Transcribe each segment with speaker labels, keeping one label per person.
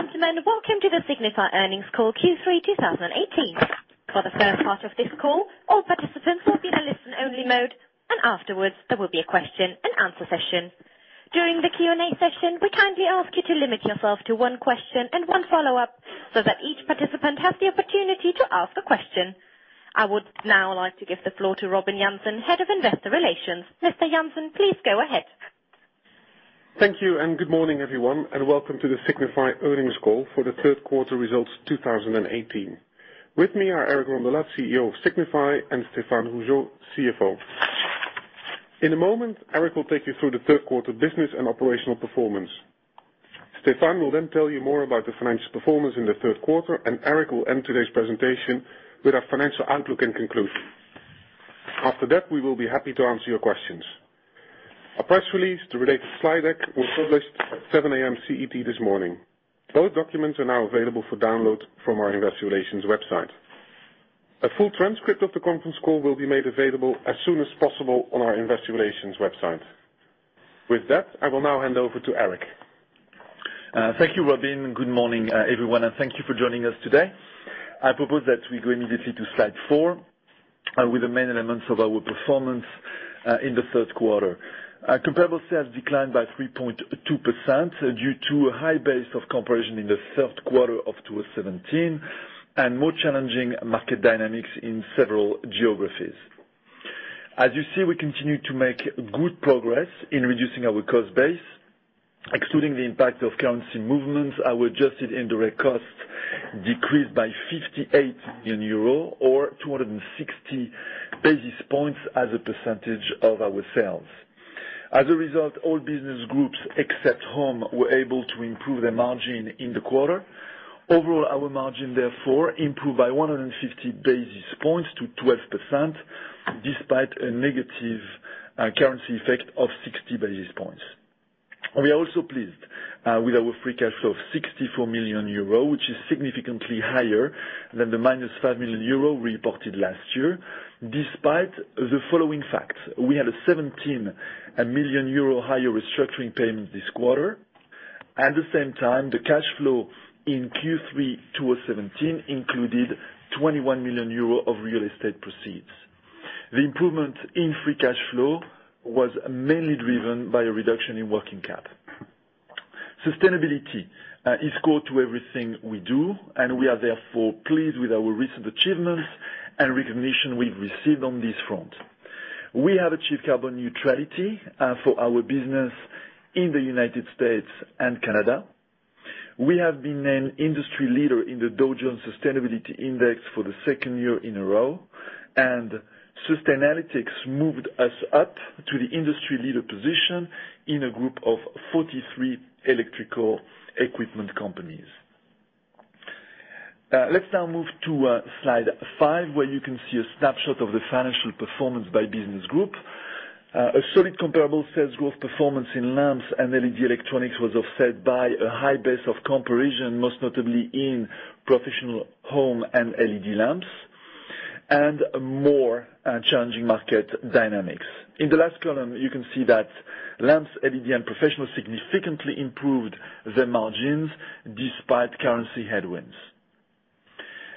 Speaker 1: Gentlemen, welcome to the Signify earnings call Q3 2018. For the first part of this call, all participants will be in a listen only mode, and afterwards, there will be a question and answer session. During the Q&A session, we kindly ask you to limit yourself to one question and one follow-up so that each participant has the opportunity to ask a question. I would now like to give the floor to Robin Jansen, Head of Investor Relations. Mr. Jansen, please go ahead.
Speaker 2: Thank you. Good morning, everyone, and welcome to the Signify earnings call for the third quarter results 2018. With me are Eric Rondolat, CEO of Signify, and Stéphane Rougeot, CFO. In a moment, Eric will take you through the third quarter business and operational performance. Stéphane will tell you more about the financial performance in the third quarter. Eric will end today's presentation with our financial outlook and conclusion. After that, we will be happy to answer your questions. A press release, the related slide deck, was published at 7:00 A.M. CET this morning. Both documents are now available for download from our investor relations website. A full transcript of the conference call will be made available as soon as possible on our investor relations website. With that, I will now hand over to Eric.
Speaker 3: Thank you, Robin. Good morning, everyone. Thank you for joining us today. I propose that we go immediately to slide four with the main elements of our performance in the third quarter. Comparable sales declined by 3.2% due to a high base of comparison in the third quarter of 2017 and more challenging market dynamics in several geographies. As you see, we continue to make good progress in reducing our cost base. Excluding the impact of currency movements, our adjusted indirect costs decreased by 58 million euros, or 260 basis points as a percentage of our sales. As a result, all business groups except Home were able to improve their margin in the quarter. Overall, our margin therefore improved by 150 basis points to 12%, despite a negative currency effect of 60 basis points. We are also pleased with our free cash flow of 64 million euro, which is significantly higher than the minus 5 million euro reported last year, despite the following facts. We had a 17 million euro higher restructuring payment this quarter. At the same time, the cash flow in Q3 2017 included 21 million euro of real estate proceeds. The improvement in free cash flow was mainly driven by a reduction in working cap. Sustainability is core to everything we do, and we are therefore pleased with our recent achievements and recognition we have received on this front. We have achieved carbon neutrality for our business in the U.S. and Canada. We have been named industry leader in the Dow Jones Sustainability Index for the second year in a row, and Sustainalytics moved us up to the industry leader position in a group of 43 electrical equipment companies. Let's now move to slide five, where you can see a snapshot of the financial performance by business group. A solid comparable sales growth performance in Lamps and LED Electronics was offset by a high base of comparison, most notably in Professional Home and LED Lamps and more challenging market dynamics. In the last column, you can see that Lamps, LED, and Professional significantly improved their margins despite currency headwinds.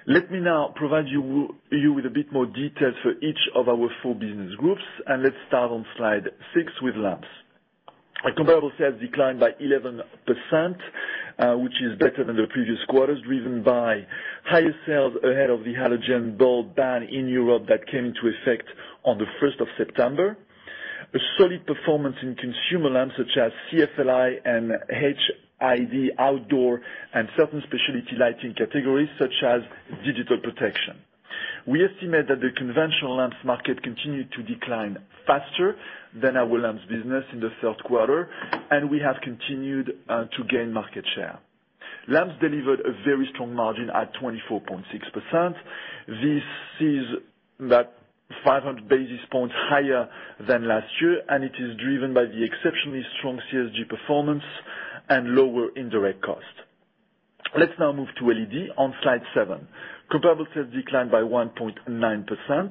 Speaker 3: Let me now provide you with a bit more details for each of our four business groups, and let's start on slide six with Lamps. Comparable sales declined by 11%, which is better than the previous quarters, driven by higher sales ahead of the halogen bulb ban in Europe that came into effect on the 1st of September. A solid performance in consumer lamps such as CFLi and HID outdoor and certain specialty lighting categories such as digital projection. We estimate that the conventional lamps market continued to decline faster than our Lamps business in the third quarter, and we have continued to gain market share. Lamps delivered a very strong margin at 24.6%. This is about 500 basis points higher than last year, and it is driven by the exceptionally strong CSG performance and lower indirect cost. Let's now move to LED on slide seven. Comparable sales declined by 1.9%.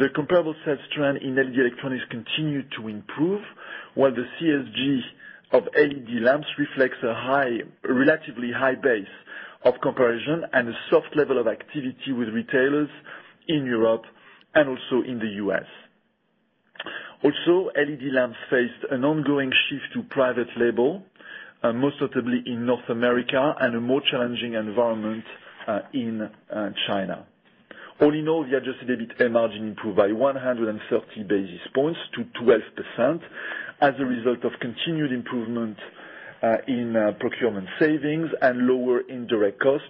Speaker 3: The comparable sales trend in LED Electronics continued to improve, while the CSG of LED Lamps reflects a relatively high base of comparison and a soft level of activity with retailers in Europe and also in the U.S. Also, LED Lamps faced an ongoing shift to private label, most notably in North America, and a more challenging environment in China. All in all, the adjusted EBITA margin improved by 130 basis points to 12% as a result of continued improvement in procurement savings and lower indirect cost,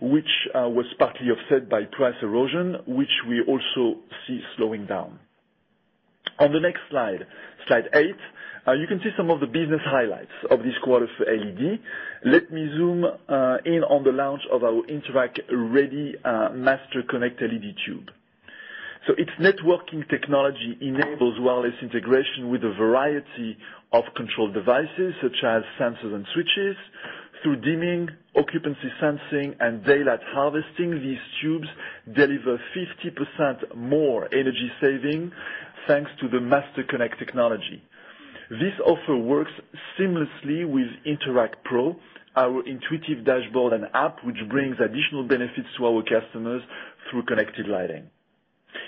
Speaker 3: which was partly offset by price erosion, which we also see slowing down. On the next slide eight, you can see some of the business highlights of this quarter for LED. Let me zoom in on the launch of our Interact Ready MasterConnect LED tube. Its networking technology enables wireless integration with a variety of control devices, such as sensors and switches, through dimming, occupancy sensing, and daylight harvesting. These tubes deliver 50% more energy savings to the MasterConnect technology. This offer works seamlessly with Interact Pro, our intuitive dashboard and app, which brings additional benefits to our customers through connected lighting.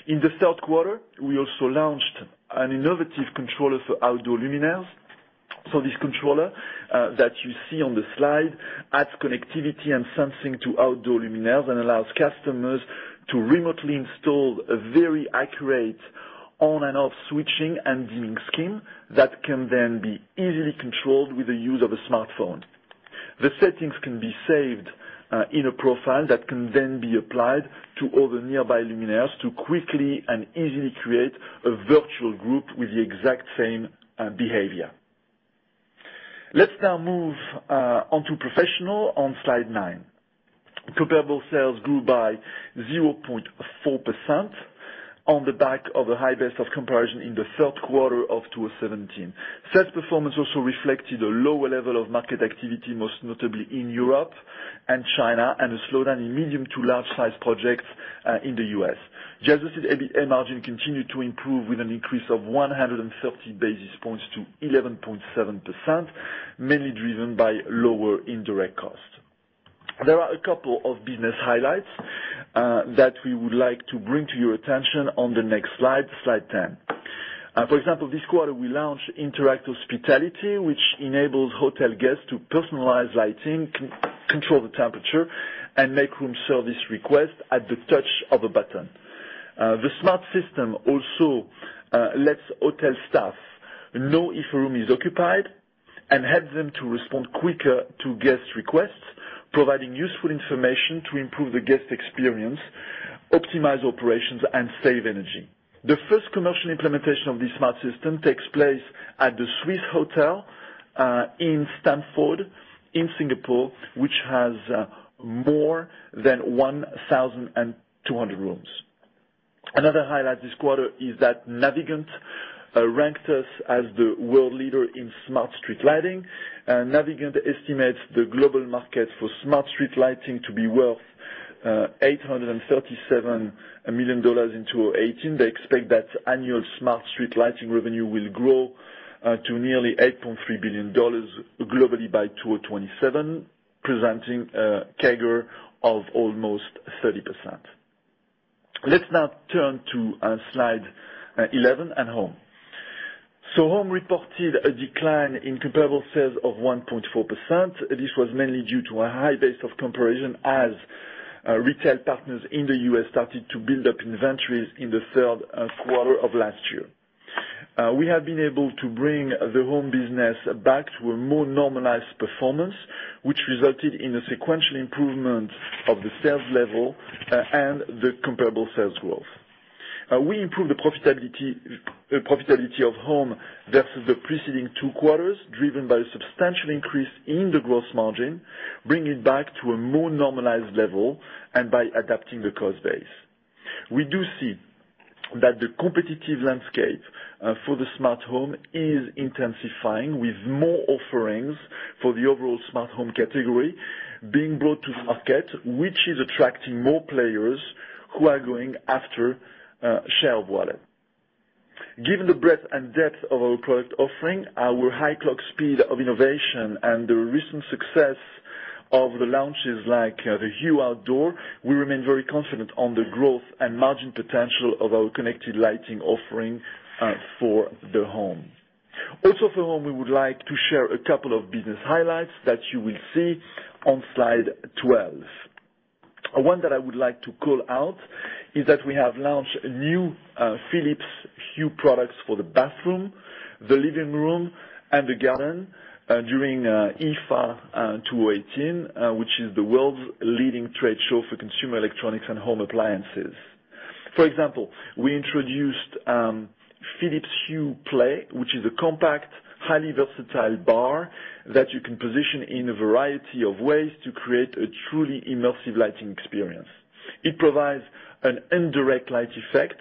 Speaker 3: In the third quarter, we also launched an innovative controller for outdoor luminaires. This controller that you see on the slide adds connectivity and sensing to outdoor luminaires and allows customers to remotely install a very accurate on and off switching and dimming scheme that can then be easily controlled with the use of a smartphone. The settings can be saved in a profile that can then be applied to all the nearby luminaires to quickly and easily create a virtual group with the exact same behavior. Let's now move on to Professional on Slide nine. Comparable sales grew by 0.4% on the back of a high base of comparison in the third quarter of 2017. Sales performance also reflected a lower level of market activity, most notably in Europe and China, and a slowdown in medium to large size projects in the U.S. adjusted EBITDA margin continued to improve with an increase of 130 basis points to 11.7%, mainly driven by lower indirect costs. There are a couple of business highlights that we would like to bring to your attention on the next slide 10. For example, this quarter we launched Interact Hospitality, which enables hotel guests to personalize lighting, control the temperature, and make room service requests at the touch of a button. The smart system also lets hotel staff know if a room is occupied and helps them to respond quicker to guest requests, providing useful information to improve the guest experience, optimize operations, and save energy. The first commercial implementation of this smart system takes place at the Swissôtel, in Stamford, in Singapore, which has more than 1,200 rooms. Another highlight this quarter is that Navigant ranked us as the world leader in smart street lighting. Navigant estimates the global market for smart street lighting to be worth EUR 837 million in 2018. They expect that annual smart street lighting revenue will grow to nearly EUR 8.3 billion globally by 2027, presenting a CAGR of almost 30%. Let's now turn to Slide 11 at Home. Home reported a decline in comparable sales of 1.4%. This was mainly due to a high base of comparison as retail partners in the U.S. started to build up inventories in the third quarter of last year. We have been able to bring the home business back to a more normalized performance, which resulted in a sequential improvement of the sales level and the comparable sales growth. We improved the profitability of Home versus the preceding two quarters, driven by a substantial increase in the gross margin, bringing it back to a more normalized level and by adapting the cost base. We do see that the competitive landscape for the smart home is intensifying, with more offerings for the overall smart home category being brought to market, which is attracting more players who are going after share of wallet. Given the breadth and depth of our product offering, our high clock speed of innovation, and the recent success of the launches like the Hue Outdoor, we remain very confident on the growth and margin potential of our connected lighting offering for the home. Also for Home, we would like to share a couple of business highlights that you will see on Slide 12. One that I would like to call out is that we have launched new Philips Hue products for the bathroom, the living room, and the garden during IFA 2018 which is the world's leading trade show for consumer electronics and home appliances. For example, we introduced Philips Hue Play, which is a compact, highly versatile bar that you can position in a variety of ways to create a truly immersive lighting experience. It provides an indirect light effect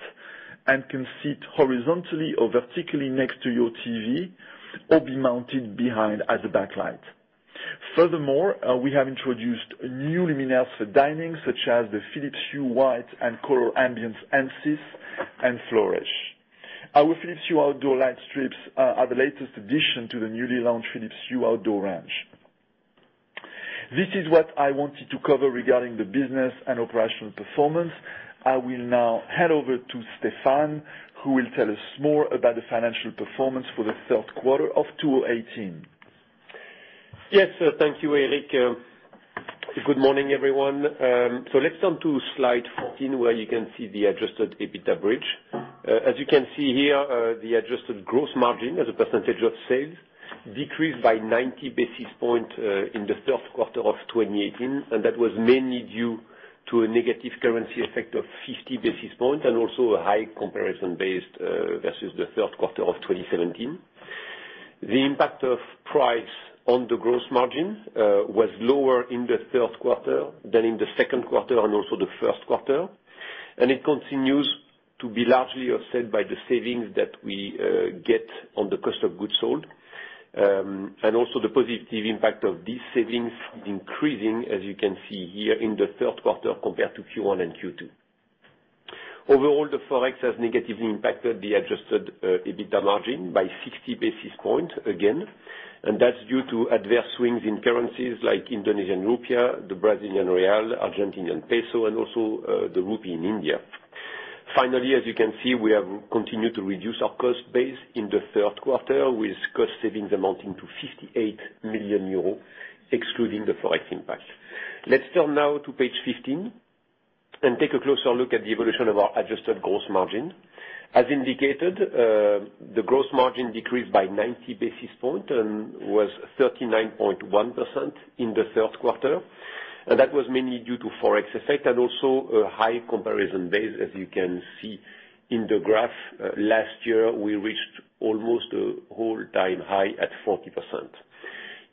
Speaker 3: and can sit horizontally or vertically next to your TV or be mounted behind as a backlight. Furthermore, we have introduced new luminaires for dining, such as the Philips Hue white and color ambiance, Ensis and Flourish. Our Philips Hue outdoor light strips are the latest addition to the newly launched Philips Hue outdoor range. This is what I wanted to cover regarding the business and operational performance. I will now hand over to Stéphane, who will tell us more about the financial performance for the third quarter of 2018.
Speaker 4: Yes, thank you, Eric. Good morning, everyone. Let's turn to slide 14, where you can see the adjusted EBITDA bridge. As you can see here, the adjusted gross margin as a percentage of sales decreased by 90 basis points in the third quarter of 2018, and that was mainly due to a negative currency effect of 50 basis points and also a high comparison base versus the third quarter of 2017. The impact of price on the gross margin was lower in the third quarter than in the second quarter and also the first quarter. It continues to be largely offset by the savings that we get on the cost of goods sold. Also the positive impact of these savings is increasing, as you can see here in the third quarter compared to Q1 and Q2. Overall, the Forex has negatively impacted the adjusted EBITDA margin by 60 basis points again, that's due to adverse swings in currencies like Indonesian rupiah, the Brazilian real, Argentinian peso, and also the rupee in India. Finally, as you can see, we have continued to reduce our cost base in the third quarter with cost savings amounting to 58 million euros, excluding the Forex impact. Let's turn now to page 15 and take a closer look at the evolution of our adjusted gross margin. As indicated, the gross margin decreased by 90 basis points and was 39.1% in the third quarter. That was mainly due to Forex effect and also a high comparison base, as you can see in the graph. Last year, we reached almost an all-time high at 40%.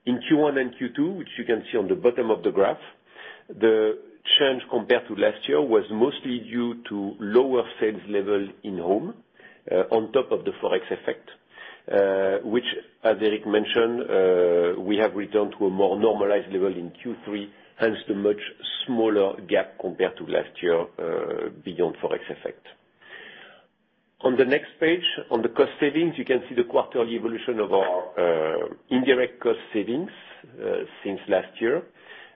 Speaker 4: In Q1 and Q2, which you can see on the bottom of the graph, the change compared to last year was mostly due to lower sales level in Home on top of the Forex effect, which as Eric mentioned, we have returned to a more normalized level in Q3, hence the much smaller gap compared to last year, beyond Forex effect. On the next page, on the cost savings, you can see the quarterly evolution of our indirect cost savings since last year.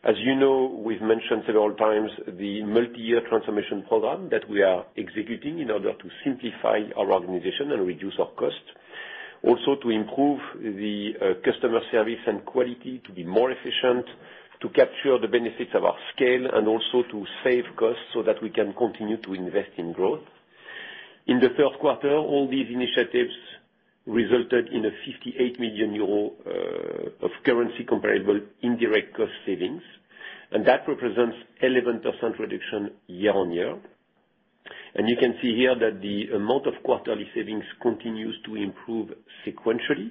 Speaker 4: As you know, we've mentioned several times the multi-year transformation program that we are executing in order to simplify our organization and reduce our cost. Also to improve the customer service and quality, to be more efficient, to capture the benefits of our scale, and also to save costs so that we can continue to invest in growth. In the third quarter, all these initiatives resulted in a 58 million euro of currency comparable indirect cost savings, that represents 11% reduction year-on-year. You can see here that the amount of quarterly savings continues to improve sequentially.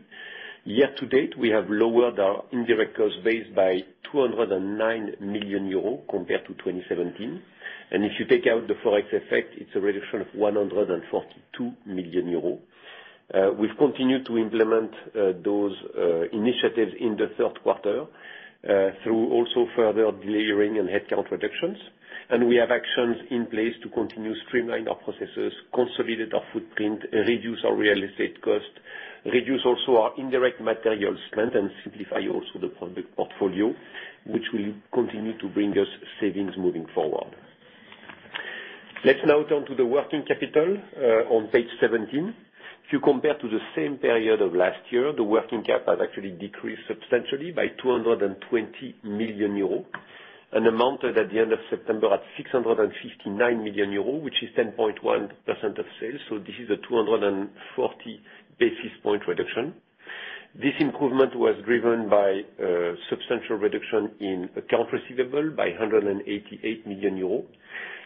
Speaker 4: Year to date, we have lowered our indirect cost base by 209 million euros compared to 2017. If you take out the Forex effect, it's a reduction of 142 million euros. We've continued to implement those initiatives in the third quarter, through also further delayering and headcount reductions. We have actions in place to continue to streamline our processes, consolidate our footprint, reduce our real estate cost, reduce also our indirect material spend, and simplify also the product portfolio, which will continue to bring us savings moving forward. Let's now turn to the working capital, on page 17. If you compare to the same period of last year, the working cap has actually decreased substantially by 220 million euros and amounted at the end of September at 659 million euros, which is 10.1% of sales. This is a 240 basis point reduction. This improvement was driven by a substantial reduction in accounts receivable by 188 million euros,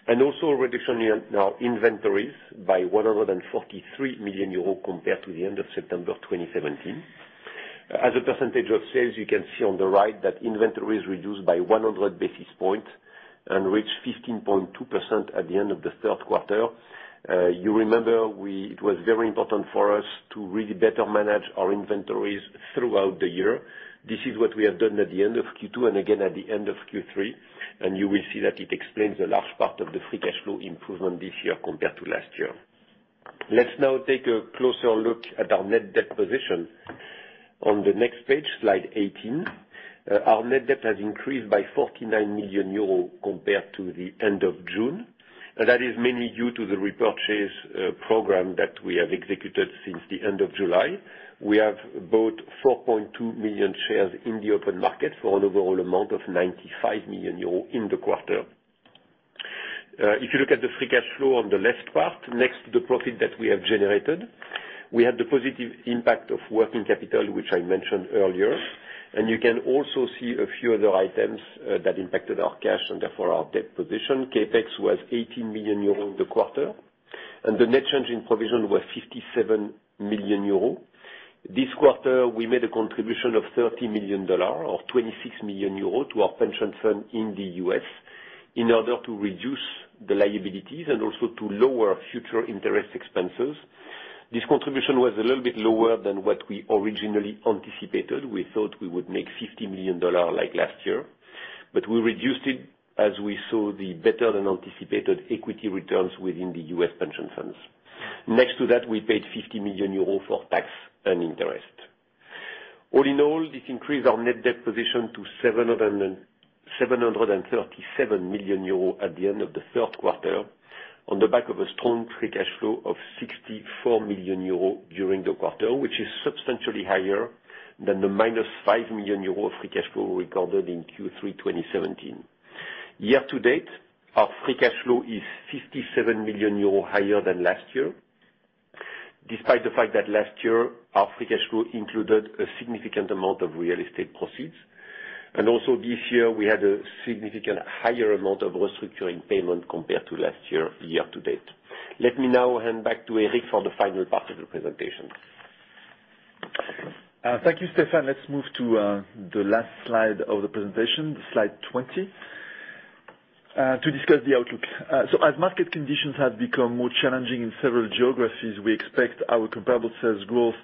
Speaker 4: and also a reduction in our inventories by 143 million euros compared to the end of September 2017. As a percentage of sales, you can see on the right that inventory is reduced by 100 basis points and reached 15.2% at the end of the third quarter. You remember it was very important for us to really better manage our inventories throughout the year. This is what we have done at the end of Q2 and again at the end of Q3. You will see that it explains a large part of the free cash flow improvement this year compared to last year. Let's now take a closer look at our net debt position on the next page, slide 18. Our net debt has increased by 49 million euros compared to the end of June, and that is mainly due to the repurchase program that we have executed since the end of July. We have bought 4.2 million shares in the open market for an overall amount of 95 million euros in the quarter. If you look at the free cash flow on the left part, next to the profit that we have generated, we had the positive impact of working capital, which I mentioned earlier. You can also see a few other items that impacted our cash and therefore our debt position. CapEx was 18 million euro in the quarter, and the net change in provision was 57 million euro. This quarter, we made a contribution of $30 million or 26 million euro to our pension fund in the U.S. in order to reduce the liabilities and also to lower future interest expenses. This contribution was a little bit lower than what we originally anticipated. We thought we would make $50 million, like last year. We reduced it as we saw the better-than-anticipated equity returns within the U.S. pension funds. Next to that, we paid 50 million euros for tax and interest. All in all, this increased our net debt position to 737 million euros at the end of the third quarter on the back of a strong free cash flow of 64 million euros during the quarter, which is substantially higher than the minus 5 million euros of free cash flow recorded in Q3 2017. Year to date, our free cash flow is 57 million euros higher than last year, despite the fact that last year, our free cash flow included a significant amount of real estate proceeds. Also this year, we had a significantly higher amount of restructuring payment compared to last year to date. Let me now hand back to Eric for the final part of the presentation.
Speaker 3: Thank you, Stéphane. Let's move to the last slide of the presentation, slide 20. To discuss the outlook. As market conditions have become more challenging in several geographies, we expect our comparable sales growth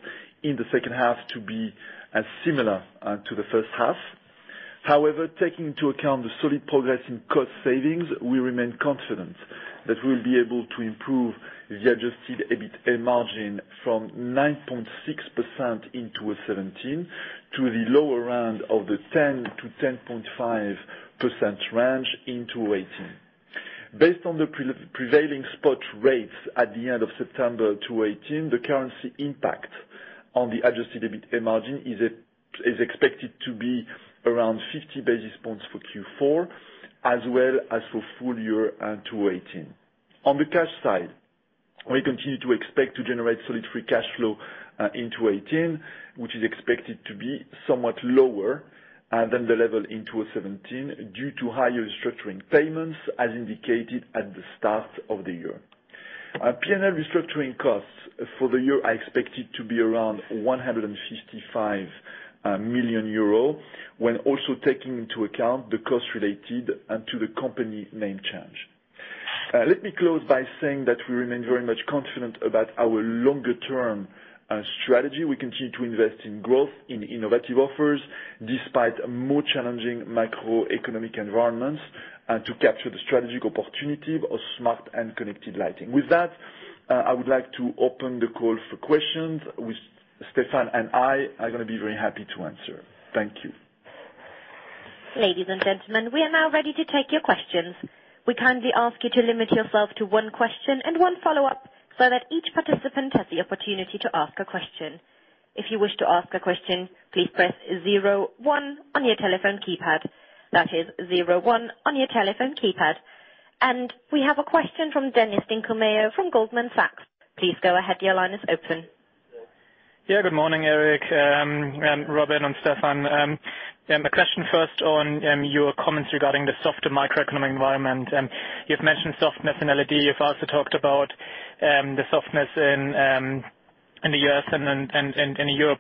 Speaker 3: in the second half to be as similar to the first half. However, taking into account the solid progress in cost savings, we remain confident that we'll be able to improve the adjusted EBITA margin from 9.6% in 2017 to the lower end of the 10%-10.5% range in 2018. Based on the prevailing spot rates at the end of September 2018, the currency impact on the adjusted EBITA margin is expected to be around 50 basis points for Q4, as well as for full year 2018. On the cash side, we continue to expect to generate solid free cash flow in 2018, which is expected to be somewhat lower than the level in 2017 due to higher restructuring payments, as indicated at the start of the year. P&L restructuring costs for the year are expected to be around 155 million euro, when also taking into account the cost related to the company name change. Let me close by saying that we remain very much confident about our longer-term strategy. We continue to invest in growth in innovative offers, despite a more challenging macroeconomic environment, and to capture the strategic opportunity of smart and connected lighting. With that, I would like to open the call for questions with Stéphane and I are going to be very happy to answer. Thank you.
Speaker 1: Ladies and gentlemen, we are now ready to take your questions. We kindly ask you to limit yourself to one question and one follow-up so that each participant has the opportunity to ask a question. If you wish to ask a question, please press zero one on your telephone keypad. That is zero one on your telephone keypad. We have a question from Dennis Dinkelmeyer from Goldman Sachs. Please go ahead. Your line is open.
Speaker 5: Good morning, Eric, Robin and Stéphane. A question first on your comments regarding the softer macroeconomic environment. You've mentioned softness in LED. You've also talked about the softness in the U.S. and in Europe.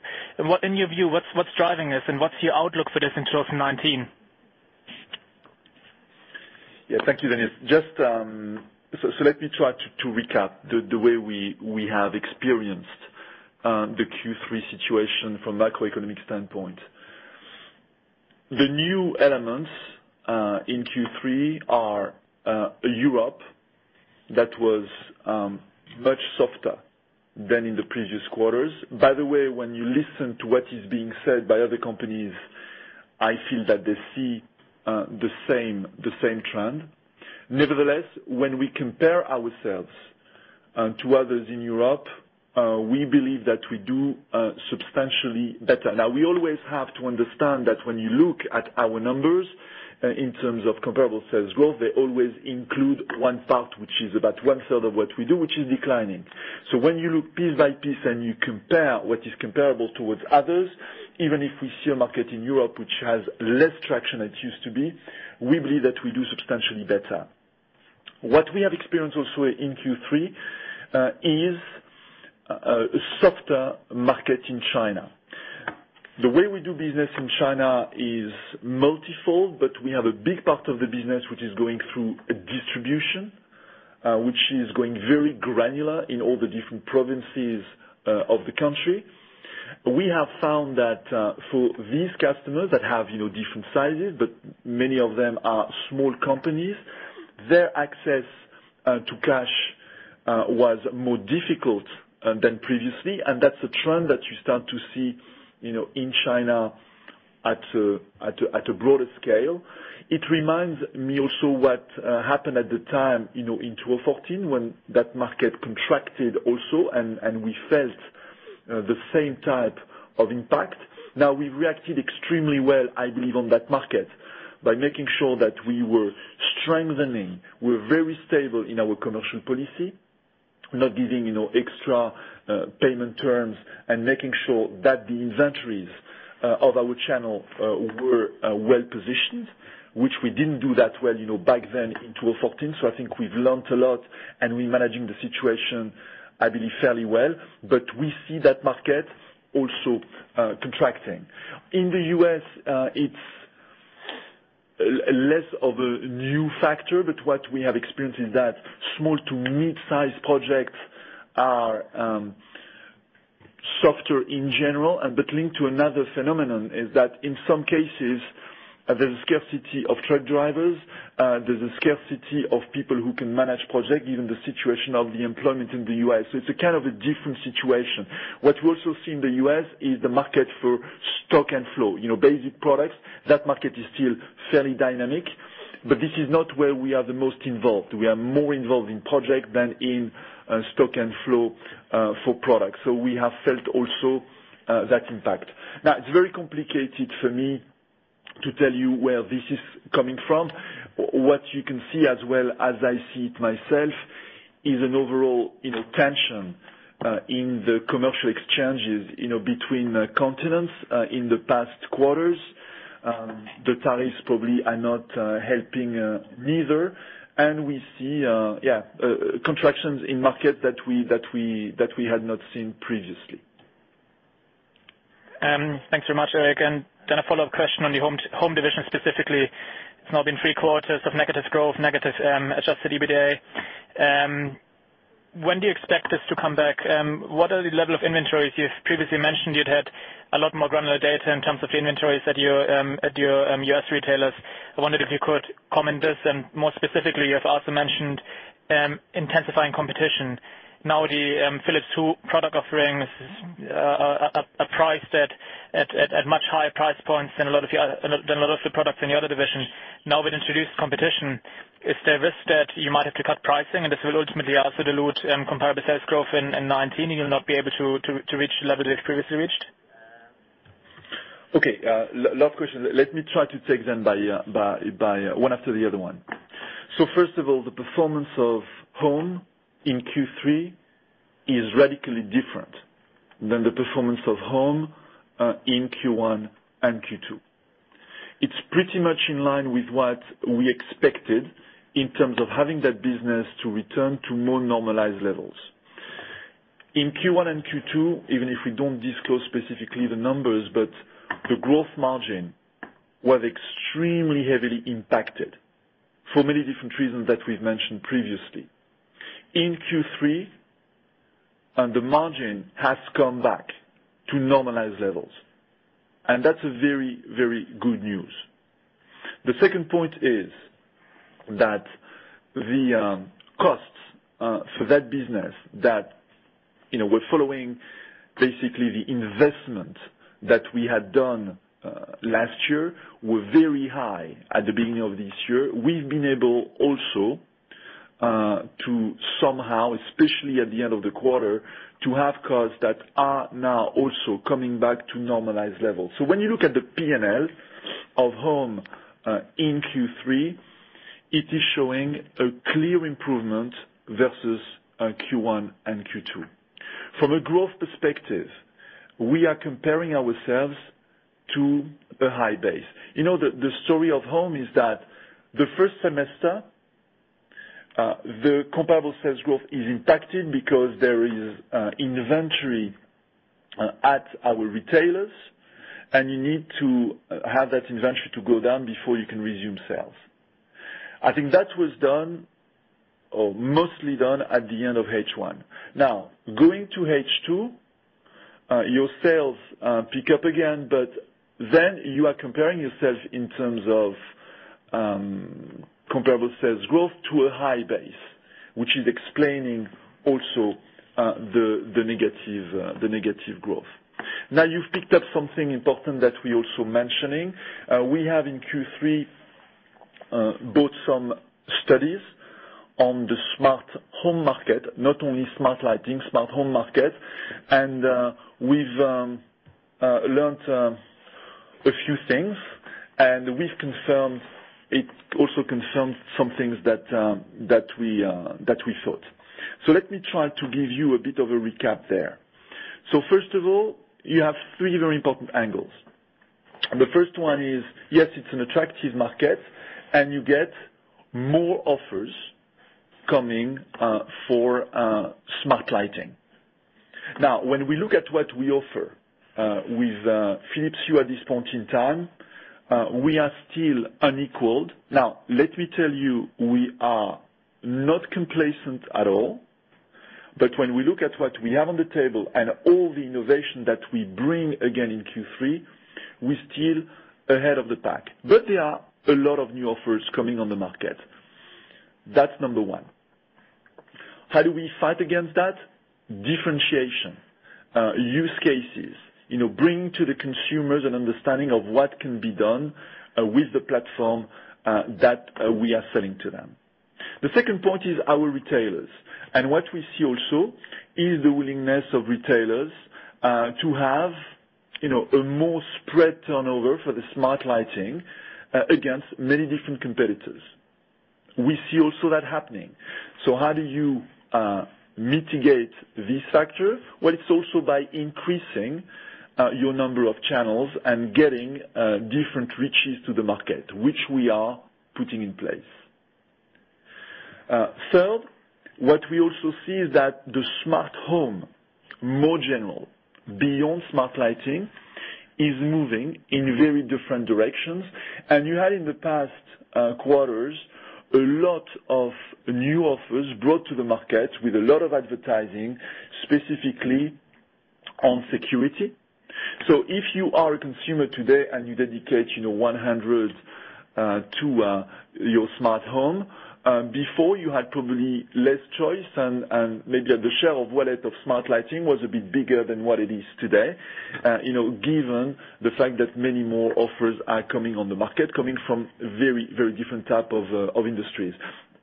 Speaker 5: In your view, what's driving this, and what's your outlook for this in 2019?
Speaker 3: Yeah. Thank you, Dennis. Let me try to recap the way we have experienced the Q3 situation from macroeconomic standpoint. The new elements in Q3 are Europe that was much softer than in the previous quarters. By the way, when you listen to what is being said by other companies, I feel that they see the same trend. Nevertheless, when we compare ourselves to others in Europe, we believe that we do substantially better. We always have to understand that when you look at our numbers in terms of comparable sales growth, they always include one part, which is about one third of what we do, which is declining. When you look piece by piece, and you compare what is comparable towards others, even if we see a market in Europe which has less traction than it used to be, we believe that we do substantially better. What we have experienced also in Q3 is a softer market in China. The way we do business in China is multifold, but we have a big part of the business which is going through a distribution, which is going very granular in all the different provinces of the country. We have found that for these customers that have different sizes, but many of them are small companies, their access to cash was more difficult than previously. That's a trend that you start to see in China at a broader scale. It reminds me also what happened at the time in 2014, when that market contracted also, and we felt the same type of impact. We reacted extremely well, I believe, on that market by making sure that we were strengthening. We're very stable in our commercial policy, not giving extra payment terms and making sure that the inventories of our channel were well-positioned, which we didn't do that well back then in 2014. I think we've learnt a lot, and we're managing the situation, I believe, fairly well. We see that market also contracting. In the U.S., it's less of a new factor, but what we have experienced is that small to mid-size projects are softer in general. Linked to another phenomenon is that in some cases, there's a scarcity of truck drivers. There's a scarcity of people who can manage projects, given the situation of the employment in the U.S. It's a kind of a different situation. What we also see in the U.S. is the market for stock and flow, basic products. That market is still fairly dynamic. This is not where we are the most involved. We are more involved in project than in stock and flow for products. We have felt also that impact. It's very complicated for me to tell you where this is coming from. What you can see as well as I see it myself, is an overall tension in the commercial exchanges between continents in the past quarters. The tariffs probably are not helping neither. We see contractions in market that we had not seen previously.
Speaker 5: Thanks very much, Eric. A follow-up question on the Home division specifically. It's now been three quarters of negative growth, negative adjusted EBITDA. When do you expect this to come back? What are the level of inventories? You've previously mentioned you'd had a lot more granular data in terms of inventories at your U.S. retailers. I wondered if you could comment this, and more specifically, you have also mentioned intensifying competition. The Philips Hue product offering is priced at much higher price points than a lot of the products in the other division. With introduced competition, is there a risk that you might have to cut pricing, and this will ultimately also dilute comparable sales growth in 2019, and you'll not be able to reach the level you've previously reached?
Speaker 3: Okay. Last question. Let me try to take them by one after the other one. First of all, the performance of Home in Q3 is radically different than the performance of Home in Q1 and Q2. It's pretty much in line with what we expected in terms of having that business to return to more normalized levels. In Q1 and Q2, even if we don't disclose specifically the numbers, the gross margin was extremely heavily impacted for many different reasons that we've mentioned previously. In Q3, the margin has come back to normalized levels. That's a very good news. The second point is that the costs for that business that we're following, basically the investment that we had done last year, were very high at the beginning of this year. We've been able also to somehow, especially at the end of the quarter, to have costs that are now also coming back to normalized levels. When you look at the P&L of Home in Q3, it is showing a clear improvement versus Q1 and Q2. From a growth perspective, we are comparing ourselves to a high base. The story of Home is that the first semester, the comparable sales growth is impacted because there is inventory at our retailers, and you need to have that inventory to go down before you can resume sales. I think that was done or mostly done at the end of H1. Going to H2, your sales pick up again, you are comparing yourself in terms of comparable sales growth to a high base, which is explaining also the negative growth. You've picked up something important that we're also mentioning. We have in Q3 built some studies on the smart home market, not only smart lighting, smart home market. We've learnt a few things, and it also confirmed some things that we thought. Let me try to give you a bit of a recap there. First of all, you have three very important angles. The first one is, yes, it's an attractive market and you get more offers coming for smart lighting. When we look at what we offer with Philips Hue at this point in time, we are still unequaled. Let me tell you, we are not complacent at all. When we look at what we have on the table and all the innovation that we bring again in Q3, we're still ahead of the pack. There are a lot of new offers coming on the market. That's number one. How do we fight against that? Differentiation. Use cases. Bring to the consumers an understanding of what can be done with the platform that we are selling to them. The second point is our retailers. What we see also is the willingness of retailers to have a more spread turnover for the smart lighting against many different competitors. We see also that happening. How do you mitigate this factor? Well, it's also by increasing your number of channels and getting different reaches to the market, which we are putting in place. Third, what we also see is that the smart home, more general, beyond smart lighting, is moving in very different directions. You had in the past quarters, a lot of new offers brought to the market with a lot of advertising, specifically on security. If you are a consumer today and you dedicate 100 to your smart home, before you had probably less choice and maybe the share of wallet of smart lighting was a bit bigger than what it is today, given the fact that many more offers are coming on the market, coming from very different type of industries.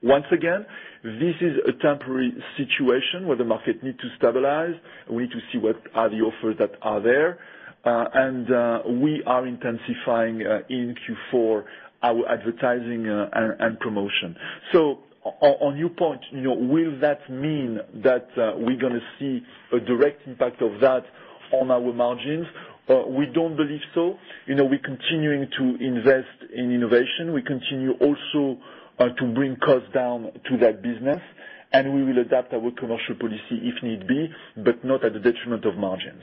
Speaker 3: Once again, this is a temporary situation where the market need to stabilize. We need to see what are the offers that are there. We are intensifying in Q4 our advertising and promotion. On your point, will that mean that we're going to see a direct impact of that on our margins? We don't believe so. We're continuing to invest in innovation. We continue also to bring costs down to that business. And we will adapt our commercial policy if need be, but not at the detriment of margins.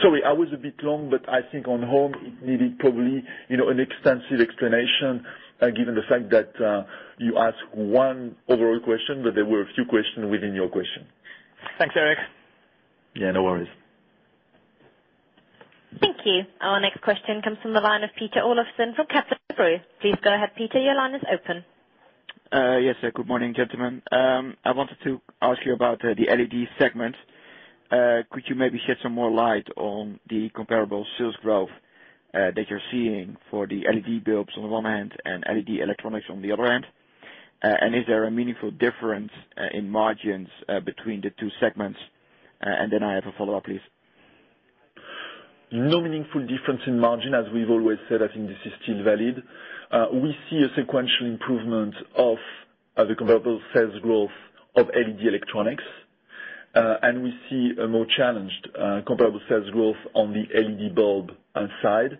Speaker 3: Sorry, I was a bit long, but I think on home it needed probably an extensive explanation, given the fact that you ask one overall question, but there were a few questions within your question.
Speaker 5: Thanks, Eric.
Speaker 3: Yeah, no worries.
Speaker 1: Thank you. Our next question comes from the line of Peter Olofsen from Kepler Cheuvreux. Please go ahead, Peter. Your line is open.
Speaker 6: Yes. Good morning, gentlemen. I wanted to ask you about the LED segment. Could you maybe shed some more light on the comparable sales growth that you're seeing for the LED bulbs on the one hand and LED electronics on the other hand? Is there a meaningful difference in margins between the two segments? Then I have a follow-up, please.
Speaker 3: No meaningful difference in margin, as we've always said. I think this is still valid. We see a sequential improvement of the comparable sales growth of LED electronics, and we see a more challenged comparable sales growth on the LED bulb side.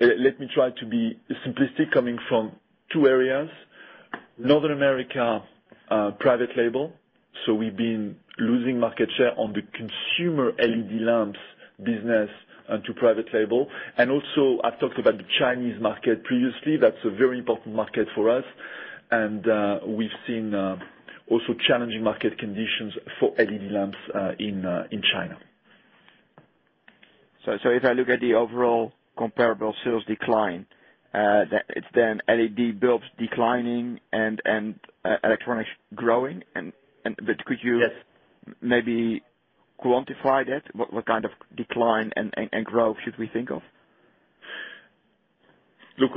Speaker 3: Let me try to be simplistic, coming from two areas. North America private label. We've been losing market share on the consumer LED lamps business to private label. Also, I've talked about the Chinese market previously. That's a very important market for us. We've seen also challenging market conditions for LED lamps in China.
Speaker 6: If I look at the overall comparable sales decline, it's then LED bulbs declining and electronics growing.
Speaker 3: Yes.
Speaker 6: Could you maybe quantify that? What kind of decline and growth should we think of?
Speaker 3: If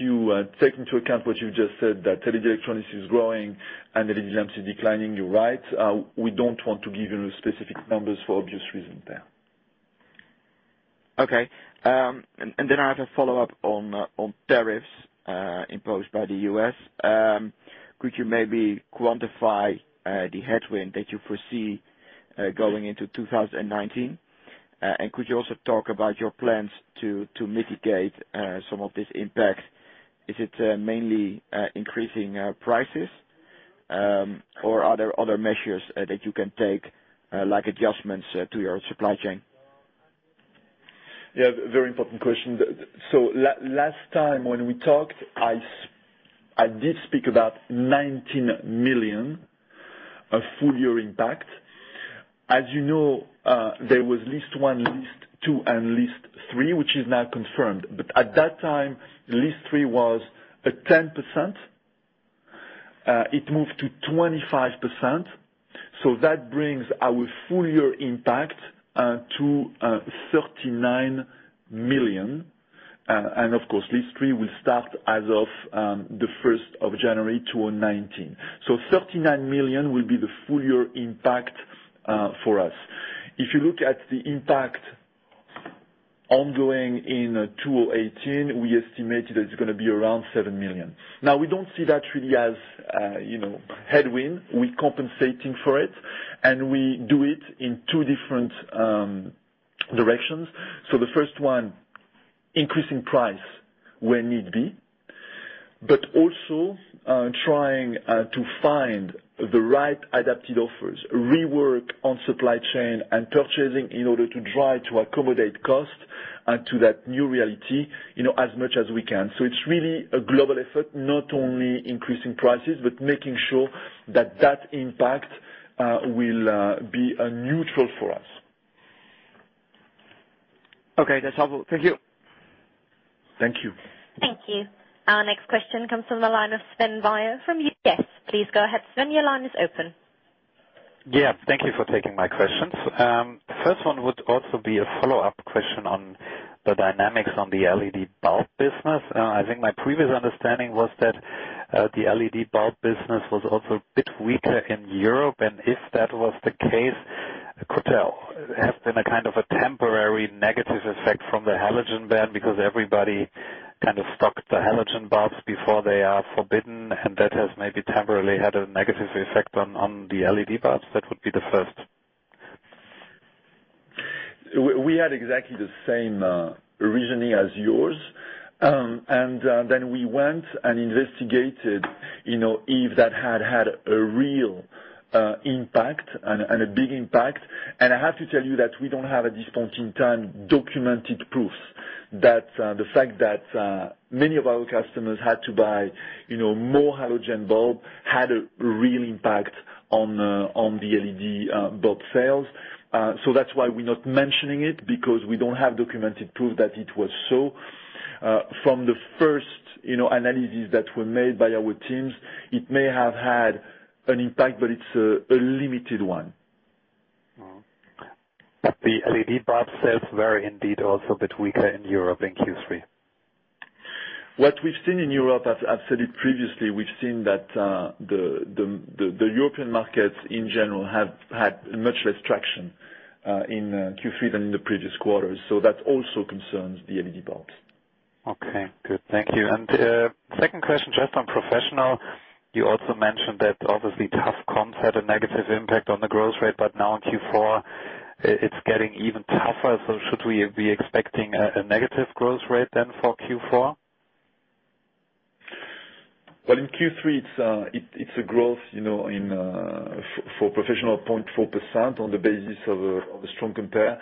Speaker 3: you take into account what you just said, that LED electronics is growing and LED lamps is declining, you're right. We don't want to give you specific numbers for obvious reasons there.
Speaker 6: I have a follow-up on tariffs imposed by the U.S. Could you maybe quantify the headwind that you foresee going into 2019? Could you also talk about your plans to mitigate some of this impact? Is it mainly increasing prices? Are there other measures that you can take, like adjustments to your supply chain?
Speaker 3: Very important question. Last time when we talked, I did speak about 19 million of full-year impact. As you know, there was list 1, list 2, and list 3, which is now confirmed. But at that time, list 3 was at 10%. It moved to 25%. That brings our full-year impact to 39 million. Of course, list 3 will start as of the 1st of January 2019. 39 million will be the full-year impact for us. If you look at the impact ongoing in 2018, we estimated that it's going to be around 7 million. Now, we don't see that really as headwind. We're compensating for it, and we do it in two different directions. The first one, increasing price where need be, but also trying to find the right adapted offers, rework on supply chain and purchasing in order to try to accommodate cost to that new reality, as much as we can. It's really a global effort, not only increasing prices, but making sure that impact will be neutral for us.
Speaker 6: Okay. That's all. Thank you.
Speaker 3: Thank you.
Speaker 1: Thank you. Our next question comes from the line of Sven Weyers from UBS. Please go ahead, Sven. Your line is open.
Speaker 7: Yeah, thank you for taking my questions. First one would also be a follow-up question on the dynamics on the LED bulb business. I think my previous understanding was that the LED bulb business was also a bit weaker in Europe. If that was the case, could have been a kind of a temporary negative effect from the halogen ban because everybody kind of stocked the halogen bulbs before they are forbidden, and that has maybe temporarily had a negative effect on the LED bulbs. That would be the first.
Speaker 3: We had exactly the same reasoning as yours. We went and investigated if that had had a real impact and a big impact. I have to tell you that we don't have, at this point in time, documented proofs that the fact that many of our customers had to buy more halogen bulb had a real impact on the LED bulb sales. That's why we're not mentioning it, because we don't have documented proof that it was so. From the first analyses that were made by our teams, it may have had an impact, but it's a limited one.
Speaker 7: The LED bulb sales were indeed also a bit weaker in Europe in Q3.
Speaker 3: What we've seen in Europe, I've said it previously, we've seen that the European markets in general have had much less traction in Q3 than in the previous quarters. That also concerns the LED bulbs.
Speaker 7: Okay, good. Thank you. Second question, just on professional. You also mentioned that obviously tough comps, a negative impact on the growth rate. Now in Q4, it's getting even tougher, should we be expecting a negative growth rate for Q4?
Speaker 3: In Q3, it's a growth for professional 0.4% on the basis of a strong compare.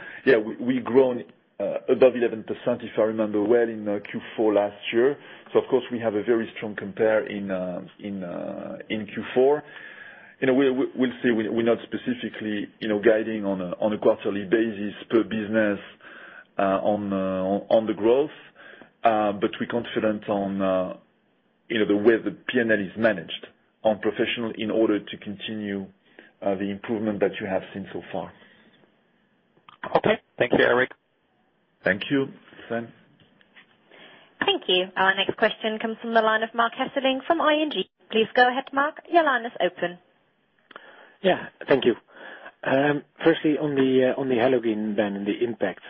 Speaker 3: We've grown above 11%, if I remember well, in Q4 last year. Of course we have a very strong compare in Q4. We'll see. We're not specifically guiding on a quarterly basis per business on the growth. We're confident on the way the P&L is managed on professional in order to continue the improvement that you have seen so far.
Speaker 7: Okay. Thank you, Eric.
Speaker 3: Thank you, Sven.
Speaker 1: Thank you. Our next question comes from the line of Marc Hesselink from ING. Please go ahead, Marc. Your line is open.
Speaker 8: Yeah. Thank you. Firstly, on the halogen ban and the impact.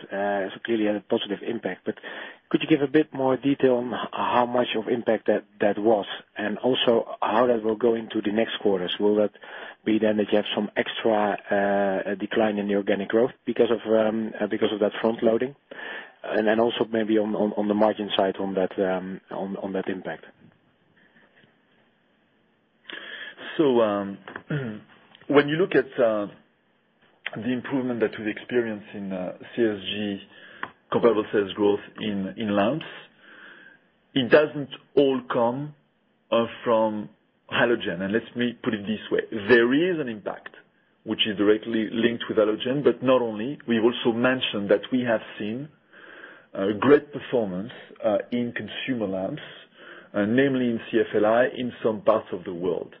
Speaker 8: Clearly had a positive impact, but could you give a bit more detail on how much of impact that was, and also how that will go into the next quarters? Will that be then that you have some extra decline in the organic growth because of that front loading? Then also maybe on the margin side on that impact.
Speaker 3: When you look at the improvement that we've experienced in CSG, comparable sales growth in lamps, it doesn't all come from halogen. Let me put it this way, there is an impact which is directly linked with halogen, but not only. We also mentioned that we have seen a great performance in consumer lamps, namely in CFLi in some parts of the world.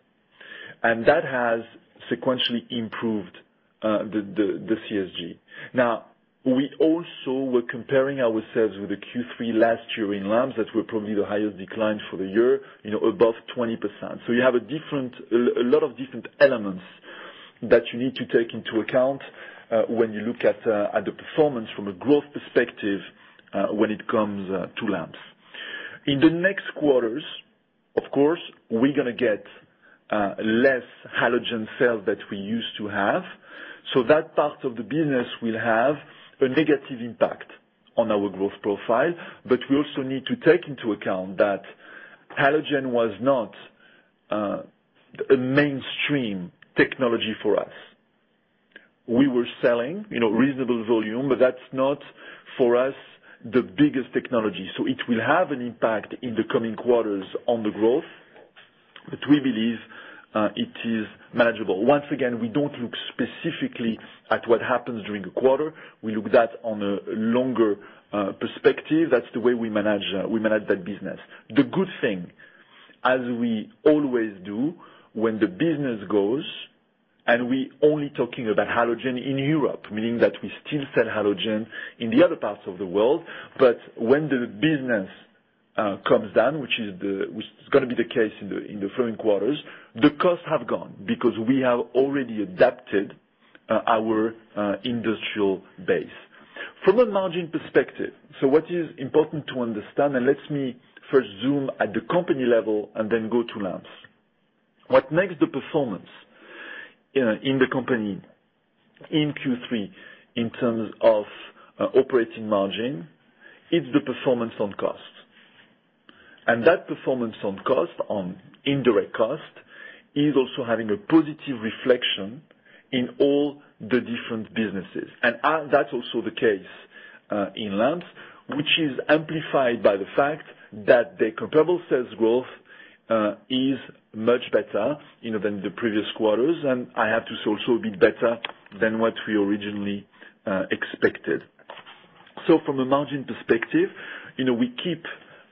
Speaker 3: That has sequentially improved the CSG. Now, we also were comparing ourselves with the Q3 last year in lamps. That were probably the highest decline for the year, above 20%. You have a lot of different elements that you need to take into account when you look at the performance from a growth perspective when it comes to lamps. In the next quarters, of course, we're going to get less halogen sales that we used to have, so that part of the business will have a negative impact on our growth profile. We also need to take into account that halogen was not a mainstream technology for us. We were selling reasonable volume, but that's not, for us, the biggest technology. It will have an impact in the coming quarters on the growth, but we believe it is manageable. Once again, we don't look specifically at what happens during a quarter. We look that on a longer perspective. That's the way we manage that business. The good thing, as we always do when the business goes, and we are only talking about halogen in Europe, meaning that we still sell halogen in the other parts of the world, but when the business comes down, which is going to be the case in the following quarters, the costs have gone because we have already adapted our industrial base. From a margin perspective, what is important to understand, and let me first zoom at the company level and then go to lamps. What makes the performance in the company in Q3 in terms of operating margin, it's the performance on cost. That performance on cost, on indirect cost, is also having a positive reflection in all the different businesses. That's also the case in lamps, which is amplified by the fact that the comparable sales growth is much better than the previous quarters, and I have to also be better than what we originally expected. From a margin perspective, we keep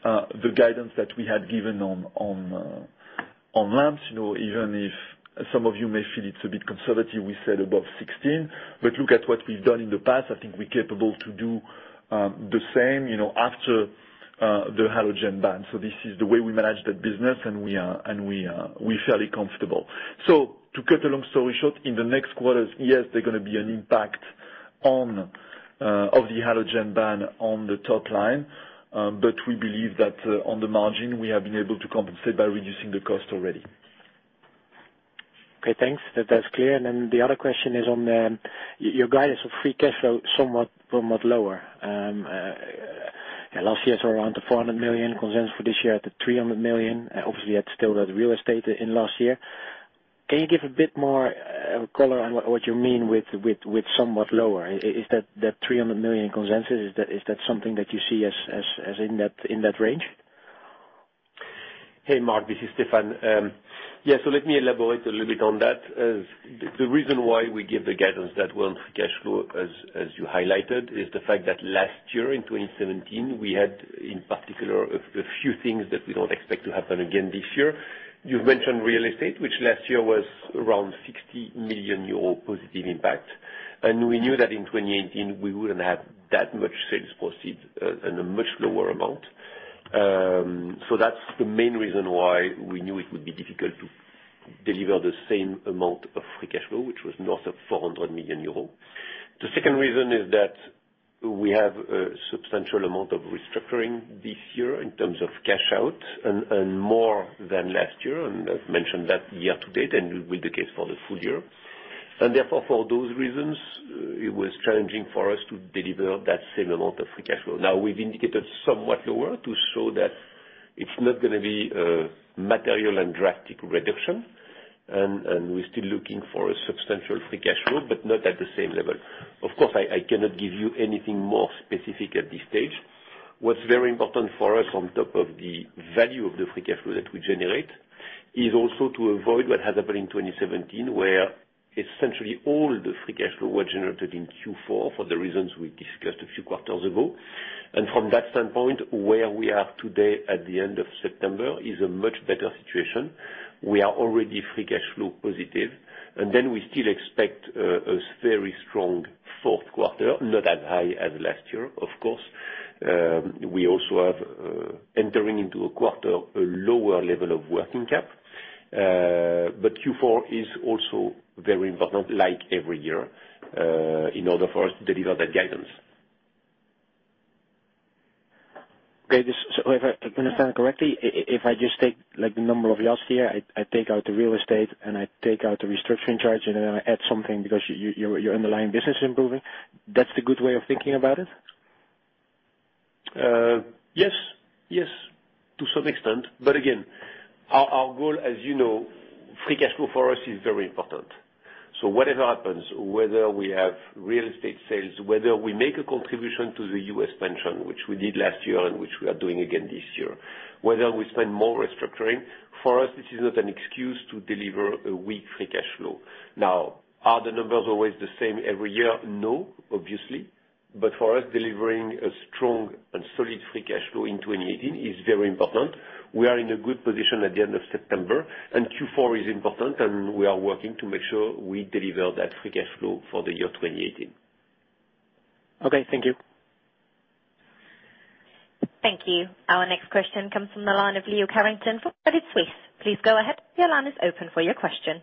Speaker 3: the guidance that we had given on lamps, even if some of you may feel it's a bit conservative, we said above 16. Look at what we've done in the past. I think we're capable to do the same after the halogen ban. This is the way we manage that business, and we're fairly comfortable. To cut a long story short, in the next quarters, yes, there's going to be an impact of the halogen ban on the top line. We believe that on the margin, we have been able to compensate by reducing the cost already.
Speaker 8: Okay, thanks. That's clear. The other question is on your guidance of free cash flow somewhat lower. Last year it was around 400 million, consensus for this year at 300 million. Obviously, you had still that real estate in last year. Can you give a bit more color on what you mean with somewhat lower? Is that 300 million consensus, is that something that you see as in that range?
Speaker 4: Hey, Marc, this is Stéphane. Let me elaborate a little bit on that. The reason why we give the guidance that we're on free cash flow, as you highlighted, is the fact that last year in 2017, we had in particular a few things that we don't expect to happen again this year. You've mentioned real estate, which last year was around 60 million euro positive impact. We knew that in 2018 we wouldn't have that much sales proceed and a much lower amount. That's the main reason why we knew it would be difficult to deliver the same amount of free cash flow, which was north of 400 million euros. The second reason is that. We have a substantial amount of restructuring this year in terms of cash out and more than last year, and I've mentioned that year to date, and will be the case for the full year. Therefore, for those reasons, it was challenging for us to deliver that same amount of free cash flow. Now, we've indicated somewhat lower to show that it's not going to be a material and drastic reduction, and we're still looking for a substantial free cash flow, but not at the same level. Of course, I cannot give you anything more specific at this stage. What's very important for us on top of the value of the free cash flow that we generate is also to avoid what happened in 2017, where essentially all the free cash flow was generated in Q4 for the reasons we discussed a few quarters ago. From that standpoint, where we are today at the end of September is a much better situation. We are already free cash flow positive, and then we still expect a very strong fourth quarter, not as high as last year, of course. We also are entering into a quarter a lower level of working cap. Q4 is also very important, like every year, in order for us to deliver that guidance.
Speaker 8: Okay. If I understand correctly, if I just take the number of last year, I take out the real estate and I take out the restructuring charge, and then I add something because your underlying business is improving, that's the good way of thinking about it?
Speaker 4: Yes. To some extent. Again, our goal, as you know, free cash flow for us is very important. Whatever happens, whether we have real estate sales, whether we make a contribution to the U.S. pension, which we did last year and which we are doing again this year, whether we spend more restructuring, for us, this is not an excuse to deliver a weak free cash flow. Are the numbers always the same every year? No, obviously. For us, delivering a strong and solid free cash flow in 2018 is very important. We are in a good position at the end of September, and Q4 is important, and we are working to make sure we deliver that free cash flow for the year 2018.
Speaker 8: Okay. Thank you.
Speaker 1: Thank you. Our next question comes from the line of Leo Carrington from Credit Suisse. Please go ahead. Your line is open for your question.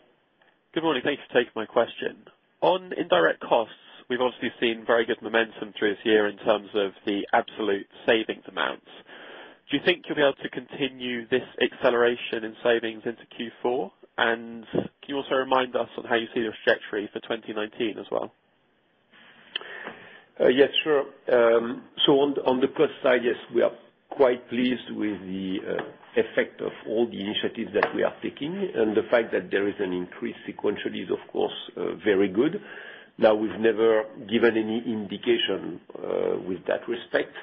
Speaker 9: Good morning. Thank you for taking my question. On indirect costs, we've obviously seen very good momentum through this year in terms of the absolute savings amounts. Do you think you'll be able to continue this acceleration in savings into Q4? Can you also remind us on how you see the trajectory for 2019 as well?
Speaker 4: Yes, sure. On the cost side, yes, we are quite pleased with the effect of all the initiatives that we are taking, and the fact that there is an increase sequentially is, of course, very good. We've never given any indication with that respect.